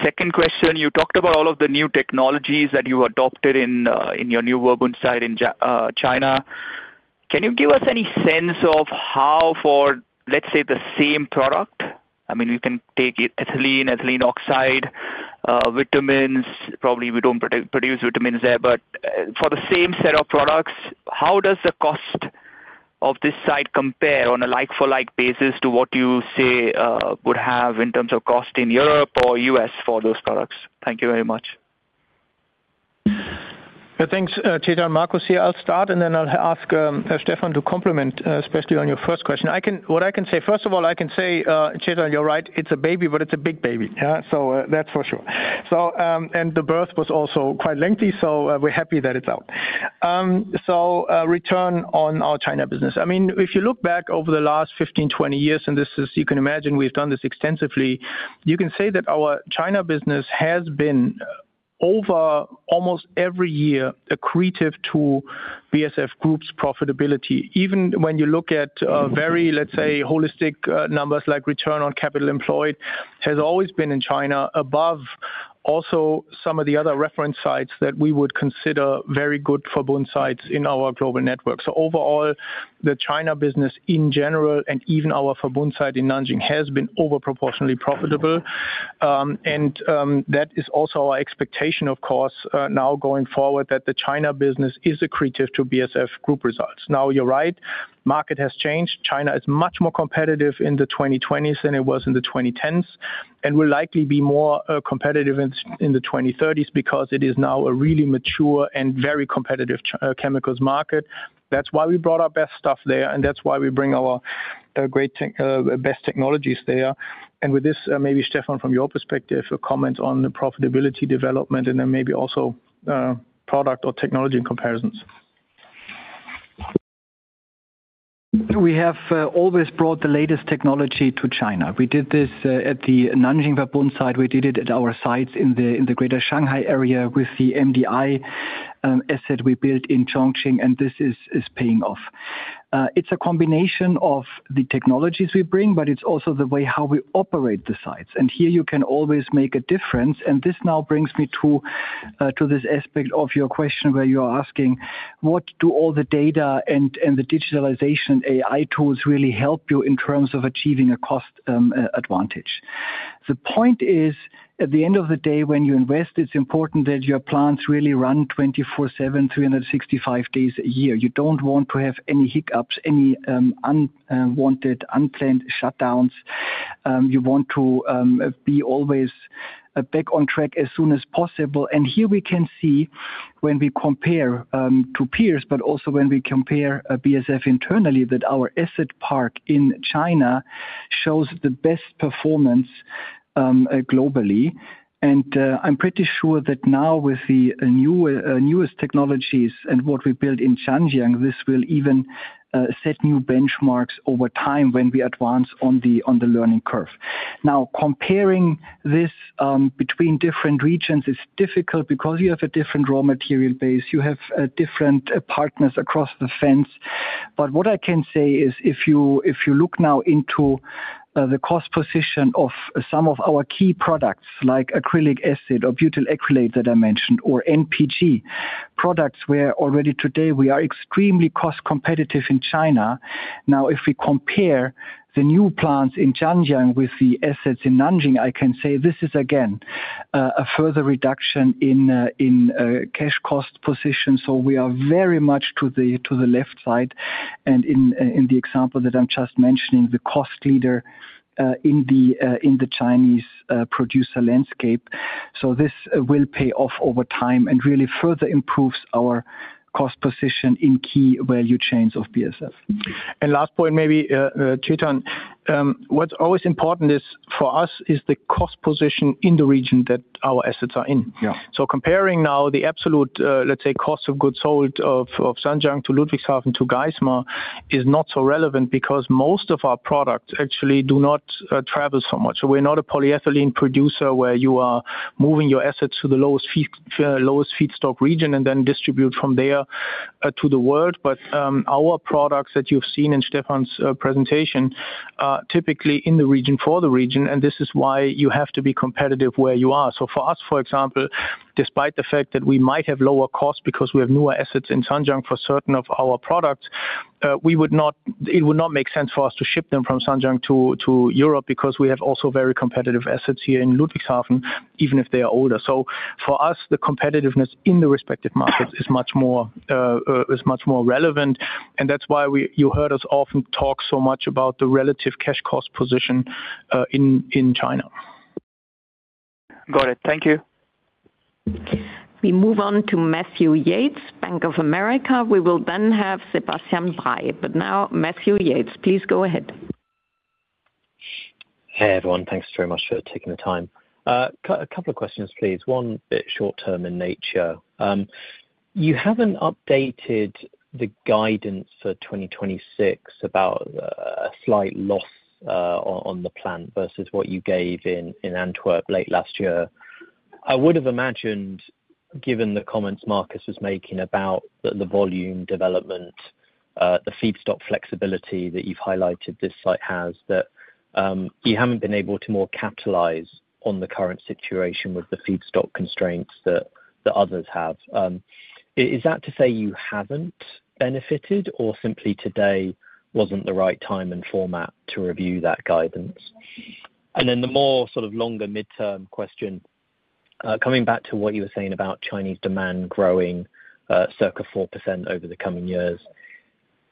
Second question, you talked about all of the new technologies that you adopted in your new Verbund site in China. Can you give us any sense of how for, let's say, the same product, you can take ethylene oxide, vitamins, probably we don't produce vitamins there, but for the same set of products, how does the cost of this site compare on a like-for-like basis to what you say would have in terms of cost in Europe or U.S. for those products? Thank you very much. Thanks, Chetan. Markus here. I'll start, and then I'll ask Stephan to complement, especially on your first question. What I can say, first of all, I can say, Chetan, you're right, it's a baby, but it's a big baby. Yeah. That's for sure. The birth was also quite lengthy, so we're happy that it's out. Return on our China business. If you look back over the last 15-20 years, and you can imagine we've done this extensively, you can say that our China business has been over almost every year accretive to BASF Group's profitability. Even when you look at very, let's say, holistic numbers like return on capital employed, has always been in China above also some of the other reference sites that we would consider very good Verbund sites in our global network. Overall, the China business in general, and even our Verbund site in Nanjing, has been over-proportionately profitable. That is also our expectation, of course, now going forward, that the China business is accretive to BASF Group results. You're right, market has changed. China is much more competitive in the 2020s than it was in the 2010s, and will likely be more competitive in the 2030s because it is now a really mature and very competitive chemicals market. That's why we brought our best stuff there, and that's why we bring our best technologies there. With this, maybe Stephan, from your perspective, a comment on the profitability development and then maybe also product or technology comparisons. We have always brought the latest technology to China. We did this at the Nanjing Verbund site. We did it at our sites in the Greater Shanghai area with the MDI asset we built in Chongqing, this is paying off. It's a combination of the technologies we bring, but it's also the way how we operate the sites. Here you can always make a difference, and this now brings me to this aspect of your question where you're asking what do all the data and the digitalization AI tools really help you in terms of achieving a cost advantage? The point is, at the end of the day, when you invest, it's important that your plants really run 24/7, 365 days a year. You don't want to have any hiccups, any unwanted, unplanned shutdowns. You want to be always back on track as soon as possible. Here we can see when we compare to peers, but also when we compare BASF internally, that our asset park in China shows the best performance globally. I'm pretty sure that now with the newest technologies and what we built in Zhanjiang, this will even set new benchmarks over time when we advance on the learning curve. Comparing this between different regions is difficult because you have a different raw material base. You have different partners across the fence. What I can say is if you look now into the cost position of some of our key products, like acrylic acid or butyl acrylate that I mentioned, or NPG, products where already today we are extremely cost competitive in China. If we compare the new plants in Zhanjiang with the assets in Nanjing, I can say this is again, a further reduction in cash cost position. We are very much to the left side and in the example that I'm just mentioning, the cost leader in the Chinese producer landscape. This will pay off over time and really further improves our cost position in key value chains of BASF. Last point maybe, Chetan, what's always important is for us is the cost position in the region that our assets are in. Yeah. Comparing now the absolute, let's say, cost of goods sold of Zhanjiang to Ludwigshafen to Geismar is not so relevant because most of our products actually do not travel so much. We're not a polyethylene producer where you are moving your assets to the lowest feedstock region and then distribute from there to the world, but our products that you've seen in Stephan's presentation are typically in the region for the region, and this is why you have to be competitive where you are. For us, for example, despite the fact that we might have lower costs because we have newer assets in Zhanjiang for certain of our products, it would not make sense for us to ship them from Zhanjiang to Europe because we have also very competitive assets here in Ludwigshafen, even if they are older. For us, the competitiveness in the respective markets is much more relevant. That's why you heard us often talk so much about the relative cash cost position in China. Got it. Thank you. We move on to Matthew Yates, Bank of America. We will then have Sebastian Bray. Now Matthew Yates, please go ahead. Hey, everyone. Thanks very much for taking the time. A couple of questions, please. One bit short-term in nature. You haven't updated the guidance for 2026 about a slight loss on the plan versus what you gave in Antwerp late last year. I would have imagined, given the comments Markus was making about the volume development, the feedstock flexibility that you've highlighted this site has, that you haven't been able to more capitalize on the current situation with the feedstock constraints that the others have. Is that to say you haven't benefited or simply today wasn't the right time and format to review that guidance? Then the more sort of longer midterm question, coming back to what you were saying about Chinese demand growing circa 4% over the coming years.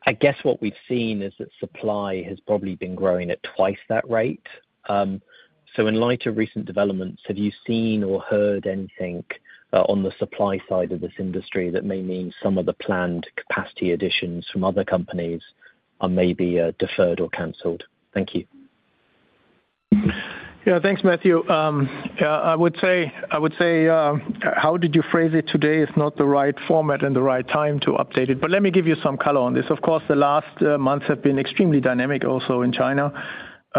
I guess what we've seen is that supply has probably been growing at twice that rate. In light of recent developments, have you seen or heard anything on the supply side of this industry that may mean some of the planned capacity additions from other companies are maybe deferred or canceled? Thank you. Yeah. Thanks, Matthew. I would say, how did you phrase it today? It's not the right format and the right time to update it. Let me give you some color on this. Of course, the last months have been extremely dynamic also in China.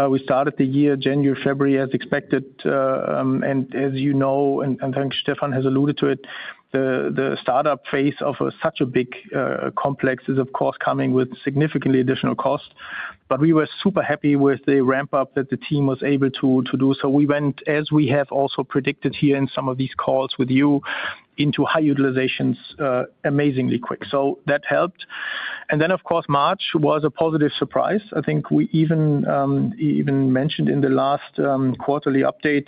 We started the year, January, February, as expected. As you know, and I think Stephan has alluded to it, the startup phase of such a big complex is, of course, coming with significantly additional cost. We were super happy with the ramp-up that the team was able to do. We went, as we have also predicted here in some of these calls with you, into high utilizations amazingly quick. That helped. Of course, March was a positive surprise. I think we even mentioned in the last quarterly update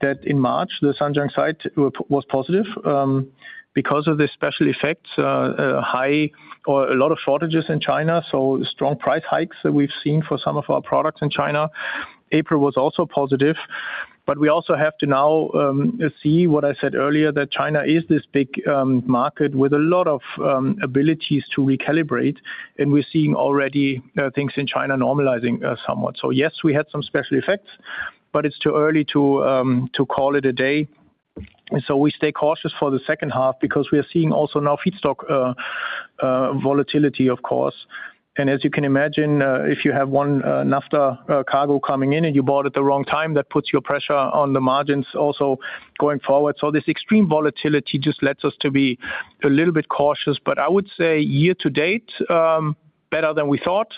that in March, the Zhanjiang site was positive. Because of the special effects, a lot of shortages in China, so strong price hikes that we've seen for some of our products in China. April was also positive, but we also have to now see what I said earlier, that China is this big market with a lot of abilities to recalibrate, and we're seeing already things in China normalizing somewhat. Yes, we had some special effects, but it's too early to call it a day. We stay cautious for the second half because we are seeing also now feedstock volatility, of course. As you can imagine, if you have one naphtha cargo coming in and you bought at the wrong time, that puts your pressure on the margins also going forward. This extreme volatility just lets us to be a little bit cautious. I would say year-to-date, better than we thought.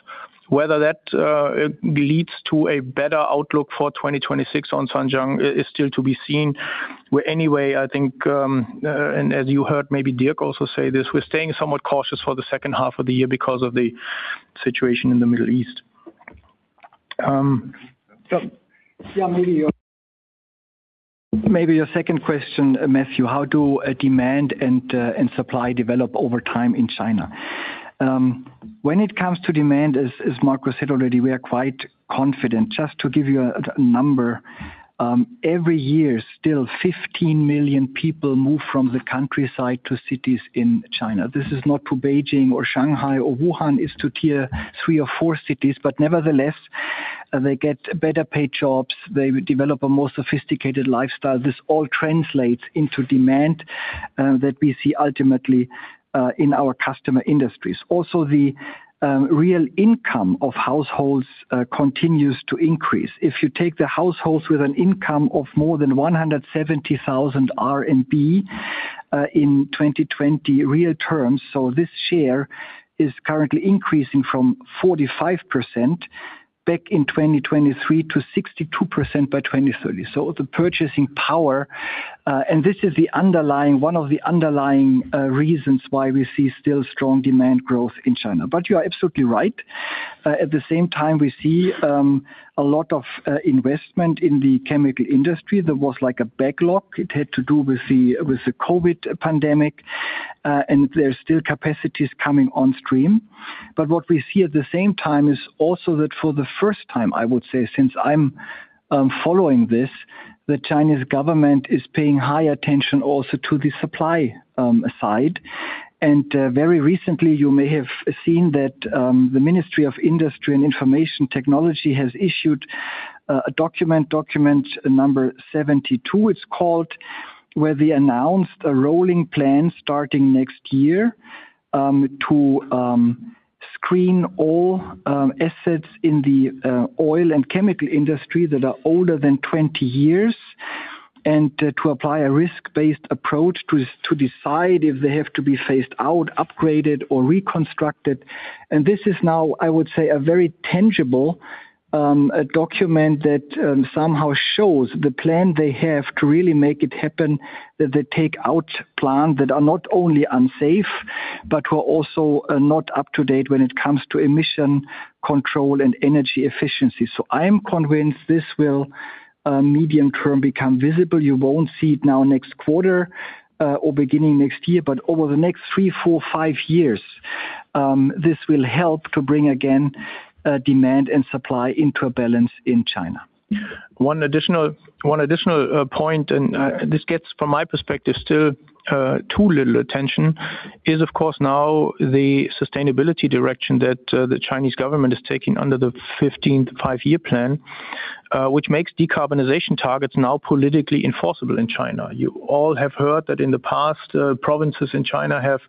Whether that leads to a better outlook for 2026 on Zhanjiang is still to be seen. Well, anyway, I think, as you heard, maybe Dirk also say this, we're staying somewhat cautious for the second half of the year because of the situation in the Middle East. Maybe your second question, Matthew, how do demand and supply develop over time in China? When it comes to demand, as Markus said already, we are quite confident. Just to give you a number, every year, still 15 million people move from the countryside to cities in China. This is not to Beijing or Shanghai or Wuhan, it is to Tier 3 or 4 cities. Nevertheless, they get better paid jobs. They develop a more sophisticated lifestyle. This all translates into demand that we see ultimately, in our customer industries. Also, the real income of households continues to increase. If you take the households with an income of more than 170,000 RMB in 2020 real terms. This share is currently increasing from 45% back in 2023 to 62% by 2030. The purchasing power, this is one of the underlying reasons why we see still strong demand growth in China. You are absolutely right. At the same time, we see a lot of investment in the chemical industry that was like a backlog. It had to do with the COVID pandemic. There is still capacities coming on stream. What we see at the same time is also that for the first time, I would say, since I am following this, the Chinese government is paying high attention also to the supply side. Very recently, you may have seen that the Ministry of Industry and Information Technology has issued a document number 72 it is called, where they announced a rolling plan starting next year to screen all assets in the oil and chemical industry that are older than 20 years To apply a risk-based approach to decide if they have to be phased out, upgraded, or reconstructed. This is now, I would say, a very tangible document that somehow shows the plan they have to really make it happen, that they take out plants that are not only unsafe, but were also not up to date when it comes to emission control and energy efficiency. I am convinced this will, medium term, become visible. You will not see it now next quarter or beginning next year, but over the next three, four, five years, this will help to bring, again, demand and supply into a balance in China. One additional point, this gets, from my perspective, still too little attention, is of course now the sustainability direction that the Chinese government is taking under the 15th Five-Year Plan, which makes decarbonization targets now politically enforceable in China. You all have heard that in the past, provinces in China have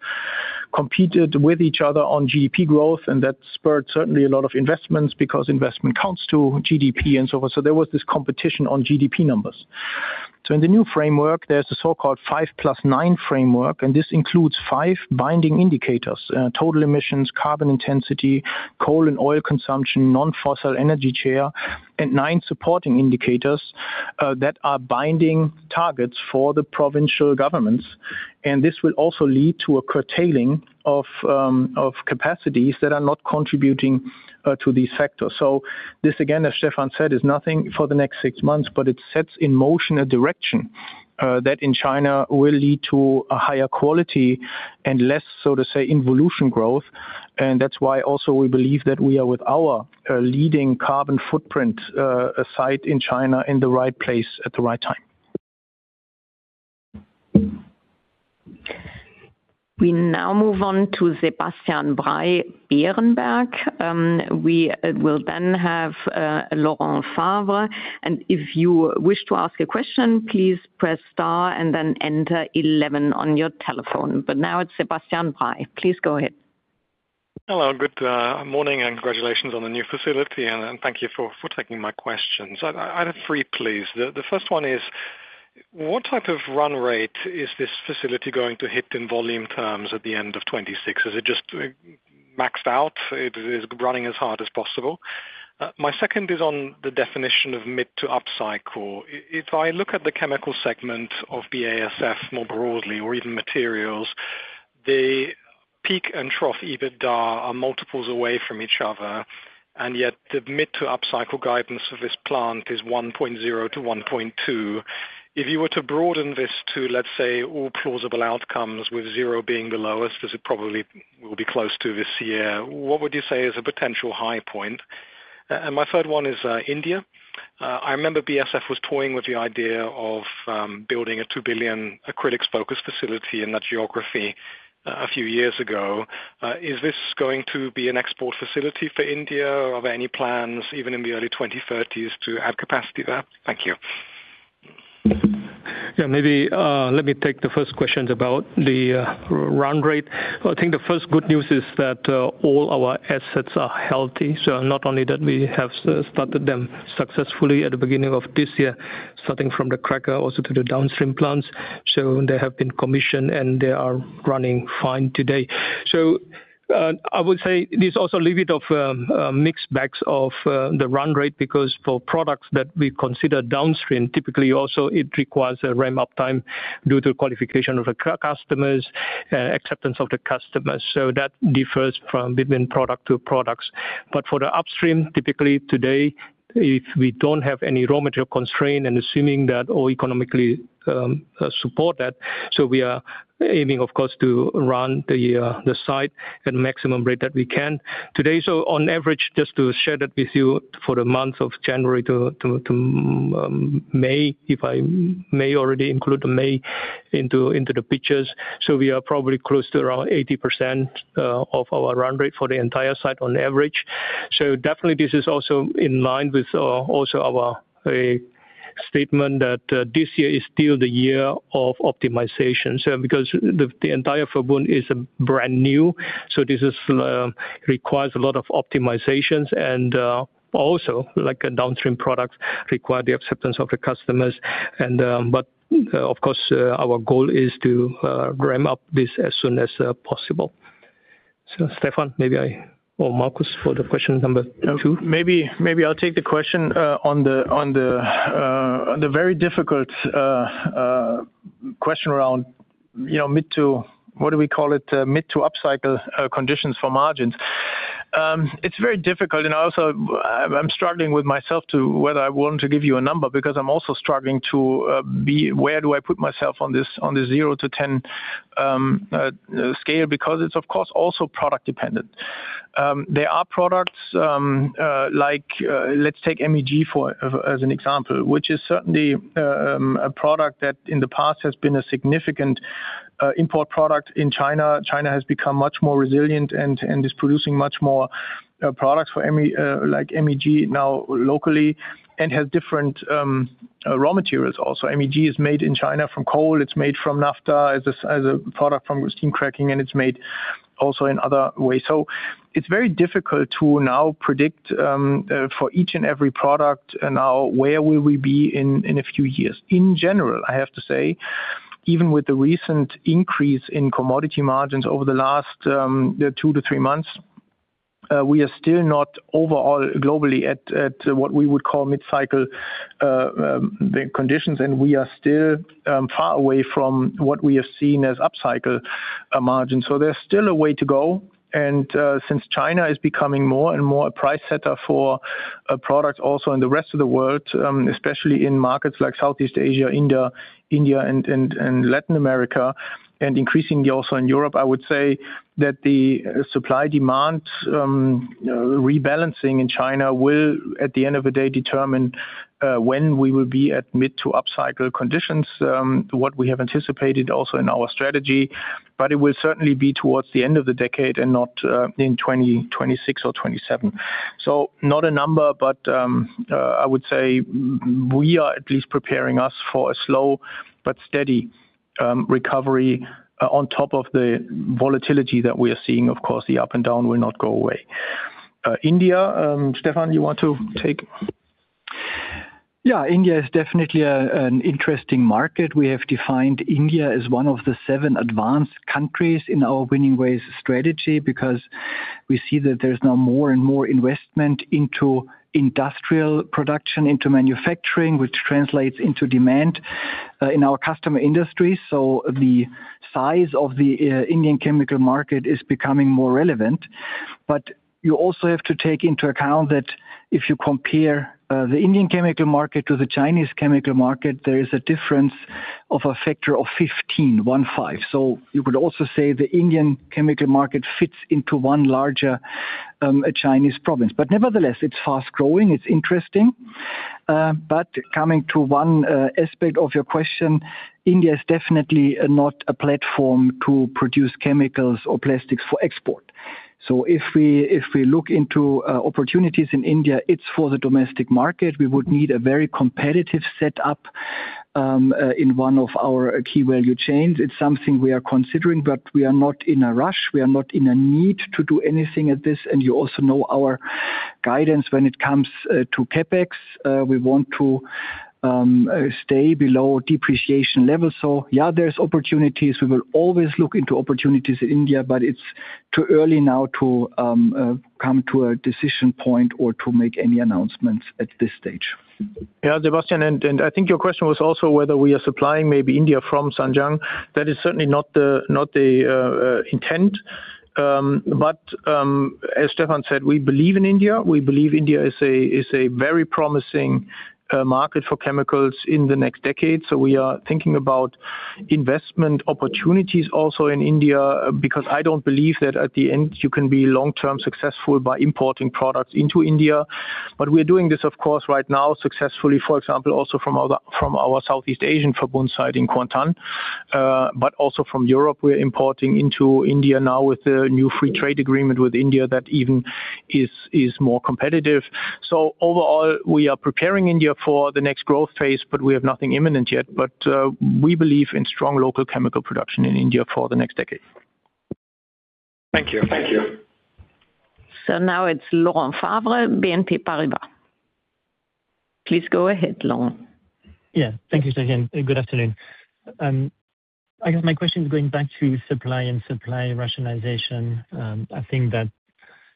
competed with each other on GDP growth, that spurred certainly a lot of investments because investment counts to GDP and so forth, there was this competition on GDP numbers. In the new framework, there is a so-called five plus nine framework, this includes five binding indicators, total emissions, carbon intensity, coal and oil consumption, non-fossil energy share, and nine supporting indicators that are binding targets for the provincial governments, this will also lead to a curtailing of capacities that are not contributing to these sectors. This, again, as Stephan said, is nothing for the next six months, but it sets in motion a direction that, in China, will lead to a higher quality and less, so to say, involution growth. That's why also we believe that we are with our leading carbon footprint site in China in the right place at the right time. We now move on to Sebastian Bray Berenberg. We will then have Laurent Favre. And if you wish to ask a question, please press star and then enter 11 on your telephone. But now it's Sebastian Bray. Please go ahead. Hello, good morning and congratulations on the new facility, and thank you for taking my questions. I have three, please. The first one is, what type of run rate is this facility going to hit in volume terms at the end of 2026? Is it just maxed out? Is it running as hard as possible? My second is on the definition of mid-to-up-cycle. If I look at the chemical segment of BASF more broadly, or even materials, the peak and trough EBITDA are multiples away from each other, and yet the mid-to-up-cycle guidance of this plant is 1.0 to 1.2. If you were to broaden this to, let's say, all plausible outcomes with zero being the lowest, as it probably will be close to this year, what would you say is a potential high point? And my third one is India. I remember BASF was toying with the idea of building a 2 billion acrylics-focused facility in that geography a few years ago. Is this going to be an export facility for India? Are there any plans, even in the early 2030s, to add capacity there? Thank you. Maybe let me take the first question about the run-rate. I think the first good news is that all our assets are healthy. Not only that we have started them successfully at the beginning of this year, starting from the cracker also to the downstream plants. They have been commissioned, and they are running fine today. I would say there's also a little bit of mixed bags of the run-rate, because for products that we consider downstream, typically also it requires a ramp-up time due to qualification of the customers, acceptance of the customers. That differs between product to products. For the upstream, typically today, if we don't have any raw material constraint and assuming that all economically support that, we are aiming, of course, to run the site at maximum rate that we can. Today, on average, just to share that with you, for the month of January to May, if I may already include May into the pictures, we are probably close to around 80% of our run-rate for the entire site on average. Definitely this is also in line with also our statement that this year is still the year of optimization. Because the entire Verbund is brand new, this requires a lot of optimizations, and also, like downstream products, require the acceptance of the customers. Of course, our goal is to ramp-up this as soon as possible. Stephan, maybe I, or Markus for the question number two. Maybe I'll take the question on the very difficult question around mid-to, what do we call it, mid-to-up-cycle conditions for margins. It's very difficult and also I'm struggling with myself to whether I want to give you a number because I'm also struggling to be where do I put myself on this zero to 10 scale because it's of course also product dependent. There are products like let's take MEG as an example, which is certainly a product that in the past has been a significant import product in China. China has become much more resilient and is producing much more products like MEG now locally and has different raw materials also. MEG is made in China from coal. It's made from naphtha as a product from steam cracking and it's made also in other ways. It's very difficult to now predict for each and every product now, where will we be in a few years? In general, I have to say, even with the recent increase in commodity margins over the last two to three months, we are still not overall globally at what we would call mid-cycle conditions, and we are still far away from what we have seen as up-cycle margins. There's still a way to go, and since China is becoming more and more a price setter for products also in the rest of the world, especially in markets like Southeast Asia, India, and Latin America, and increasingly also in Europe, I would say that the supply demand rebalancing in China will, at the end of the day, determine when we will be at mid-to-up-cycle conditions, what we have anticipated also in our strategy. It will certainly be towards the end of the decade and not in 2026 or 2027. Not a number, but I would say we are at least preparing us for a slow but steady recovery on top of the volatility that we are seeing. Of course, the up and down will not go away. India, Stephan, you want to take? India is definitely an interesting market. We have defined India as one of the seven advanced countries in our Winning Ways strategy because we see that there's now more and more investment into industrial production, into manufacturing, which translates into demand in our customer industry. The size of the Indian chemical market is becoming more relevant. You also have to take into account that if you compare the Indian chemical market to the Chinese chemical market, there is a difference of a factor of 15. You could also say the Indian chemical market fits into one larger Chinese province. Nevertheless, it's fast-growing, it's interesting. Coming to one aspect of your question, India is definitely not a platform to produce chemicals or plastics for export. If we look into opportunities in India, it's for the domestic market. We would need a very competitive setup in one of our key value chains. It's something we are considering, but we are not in a rush. We are not in a need to do anything at this. You also know our guidance when it comes to CapEx. We want to stay below depreciation levels. There's opportunities. We will always look into opportunities in India, but it's too early now to come to a decision point or to make any announcements at this stage. Sebastian, I think your question was also whether we are supplying maybe India from Zhanjiang. That is certainly not the intent. As Stephan said, we believe in India. We believe India is a very promising market for chemicals in the next decade. We are thinking about investment opportunities also in India, because I don't believe that at the end, you can be long-term successful by importing products into India. We're doing this, of course, right now successfully, for example, also from our Southeast Asian Kuantan. But also from Europe we are importing into India now with the new free trade agreement with India than even is more competitive. So overall we are preparing India for the next growth phase. We have nothing imminent yet but we believe in strong local chemical production in India for the next decade. Now its Laurent Favre, BNP Paribas. Please go ahead, Laurent. Thank you, Stefanie, and good afternoon. My question is going back to supply and supply rationalization. I think that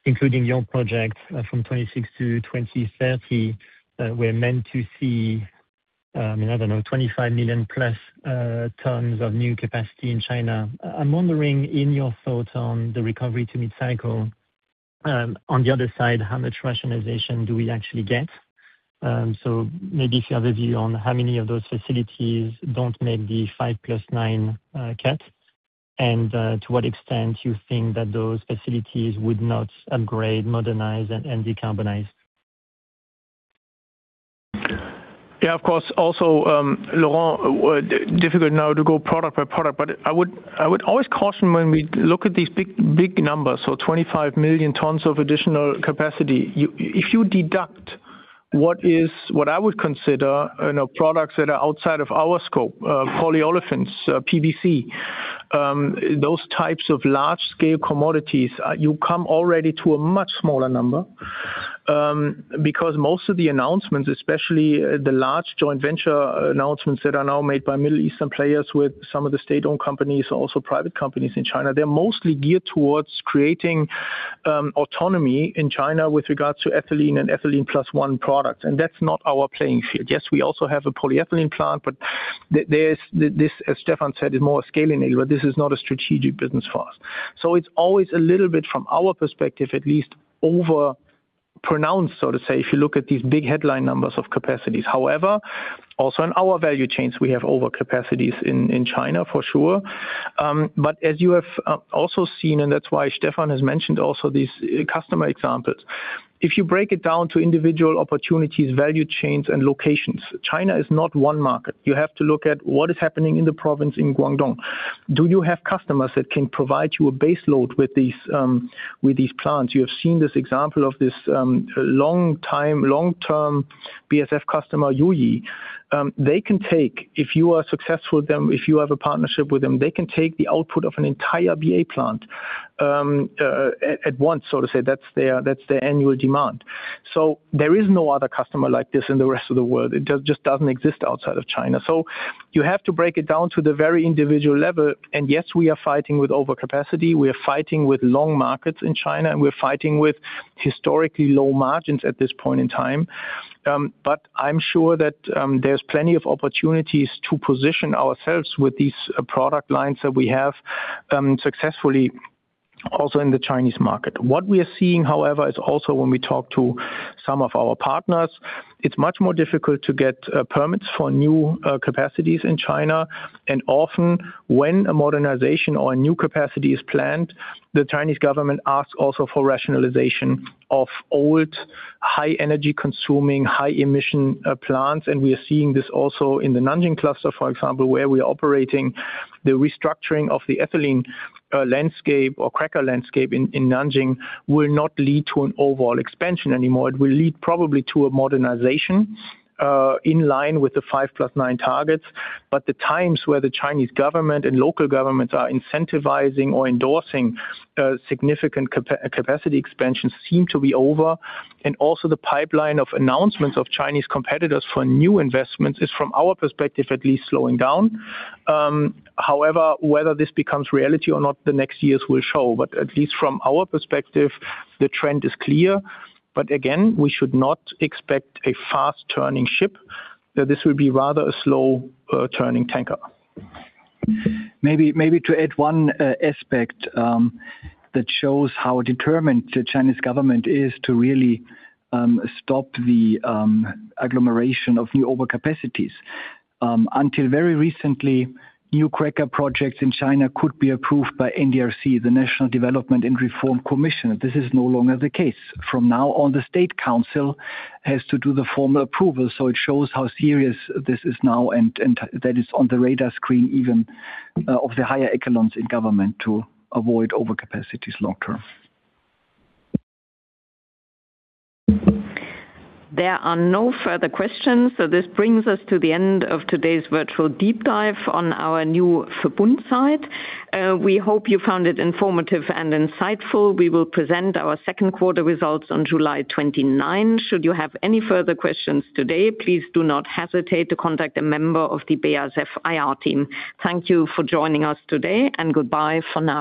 including your project from 2026 to 2030, we're meant to see, I don't know, 25 million+ tons of new capacity in China. I'm wondering in your thoughts on the recovery to mid-cycle, on the other side, how much rationalization do we actually get? Maybe if you have a view on how many of those facilities don't make the five plus nine cut, and to what extent you think that those facilities would not upgrade, modernize, and decarbonize. Of course. Laurent, difficult now to go product-by-product, but I would always caution when we look at these big numbers. 25 million tons of additional capacity. If you deduct what I would consider products that are outside of our scope, polyolefins, PVC, those types of large-scale commodities, you come already to a much smaller number. Because most of the announcements, especially the large joint venture announcements that are now made by Middle Eastern players with some of the state-owned companies, also private companies in China, they're mostly geared towards creating autonomy in China with regards to ethylene and ethylene plus one products, and that's not our playing field. Yes, we also have a polyethylene plant, but this, as Stephan said, is more a scaling needle. This is not a strategic business for us. It's always a little bit from our perspective, at least, over pronounced, so to say, if you look at these big headline numbers of capacities. Also in our value chains, we have overcapacities in China, for sure. As you have also seen, and that's why Stephan has mentioned also these customer examples. If you break it down to individual opportunities, value chains, and locations, China is not one market. You have to look at what is happening in the province in Guangdong. Do you have customers that can provide you a base load with these plants? You have seen this example of this long-term BASF customer, Youyi. If you are successful with them, if you have a partnership with them, they can take the output of an entire BA plant at once, so to say. That's their annual demand. There is no other customer like this in the rest of the world. It just doesn't exist outside of China. You have to break it down to the very individual level. Yes, we are fighting with over capacity, we are fighting with long markets in China, and we are fighting with historically low margins at this point in time. I am sure that there is plenty of opportunities to position ourselves with these product lines that we have successfully, also in the Chinese market. What we are seeing, however, is also when we talk to some of our partners, it is much more difficult to get permits for new capacities in China. Often when a modernization or a new capacity is planned, the Chinese government asks also for rationalization of old, high-energy-consuming, high-emission plants. We are seeing this also in the Nanjing cluster, for example, where we are operating. The restructuring of the ethylene landscape or cracker landscape in Nanjing will not lead to an overall expansion anymore. It will lead probably to a modernization in line with the five plus nine targets. The times where the Chinese government and local governments are incentivizing or endorsing significant capacity expansions seem to be over, and also the pipeline of announcements of Chinese competitors for new investments is, from our perspective, at least, slowing down. Whether this becomes reality or not, the next years will show. At least from our perspective, the trend is clear. Again, we should not expect a fast-turning ship, that this will be rather a slow-turning tanker. Maybe to add one aspect that shows how determined the Chinese government is to really stop the agglomeration of new overcapacities. Until very recently, new cracker projects in China could be approved by NDRC, the National Development and Reform Commission. This is no longer the case. From now on, the state council has to do the formal approval, it shows how serious this is now and that is on the radar screen even of the higher echelons in government to avoid overcapacities long term. There are no further questions, this brings us to the end of today's virtual deep dive on our new Verbund site. We hope you found it informative and insightful. We will present our second quarter results on July 29th. Should you have any further questions today, please do not hesitate to contact a member of the BASF IR team. Thank you for joining us today, and goodbye for now.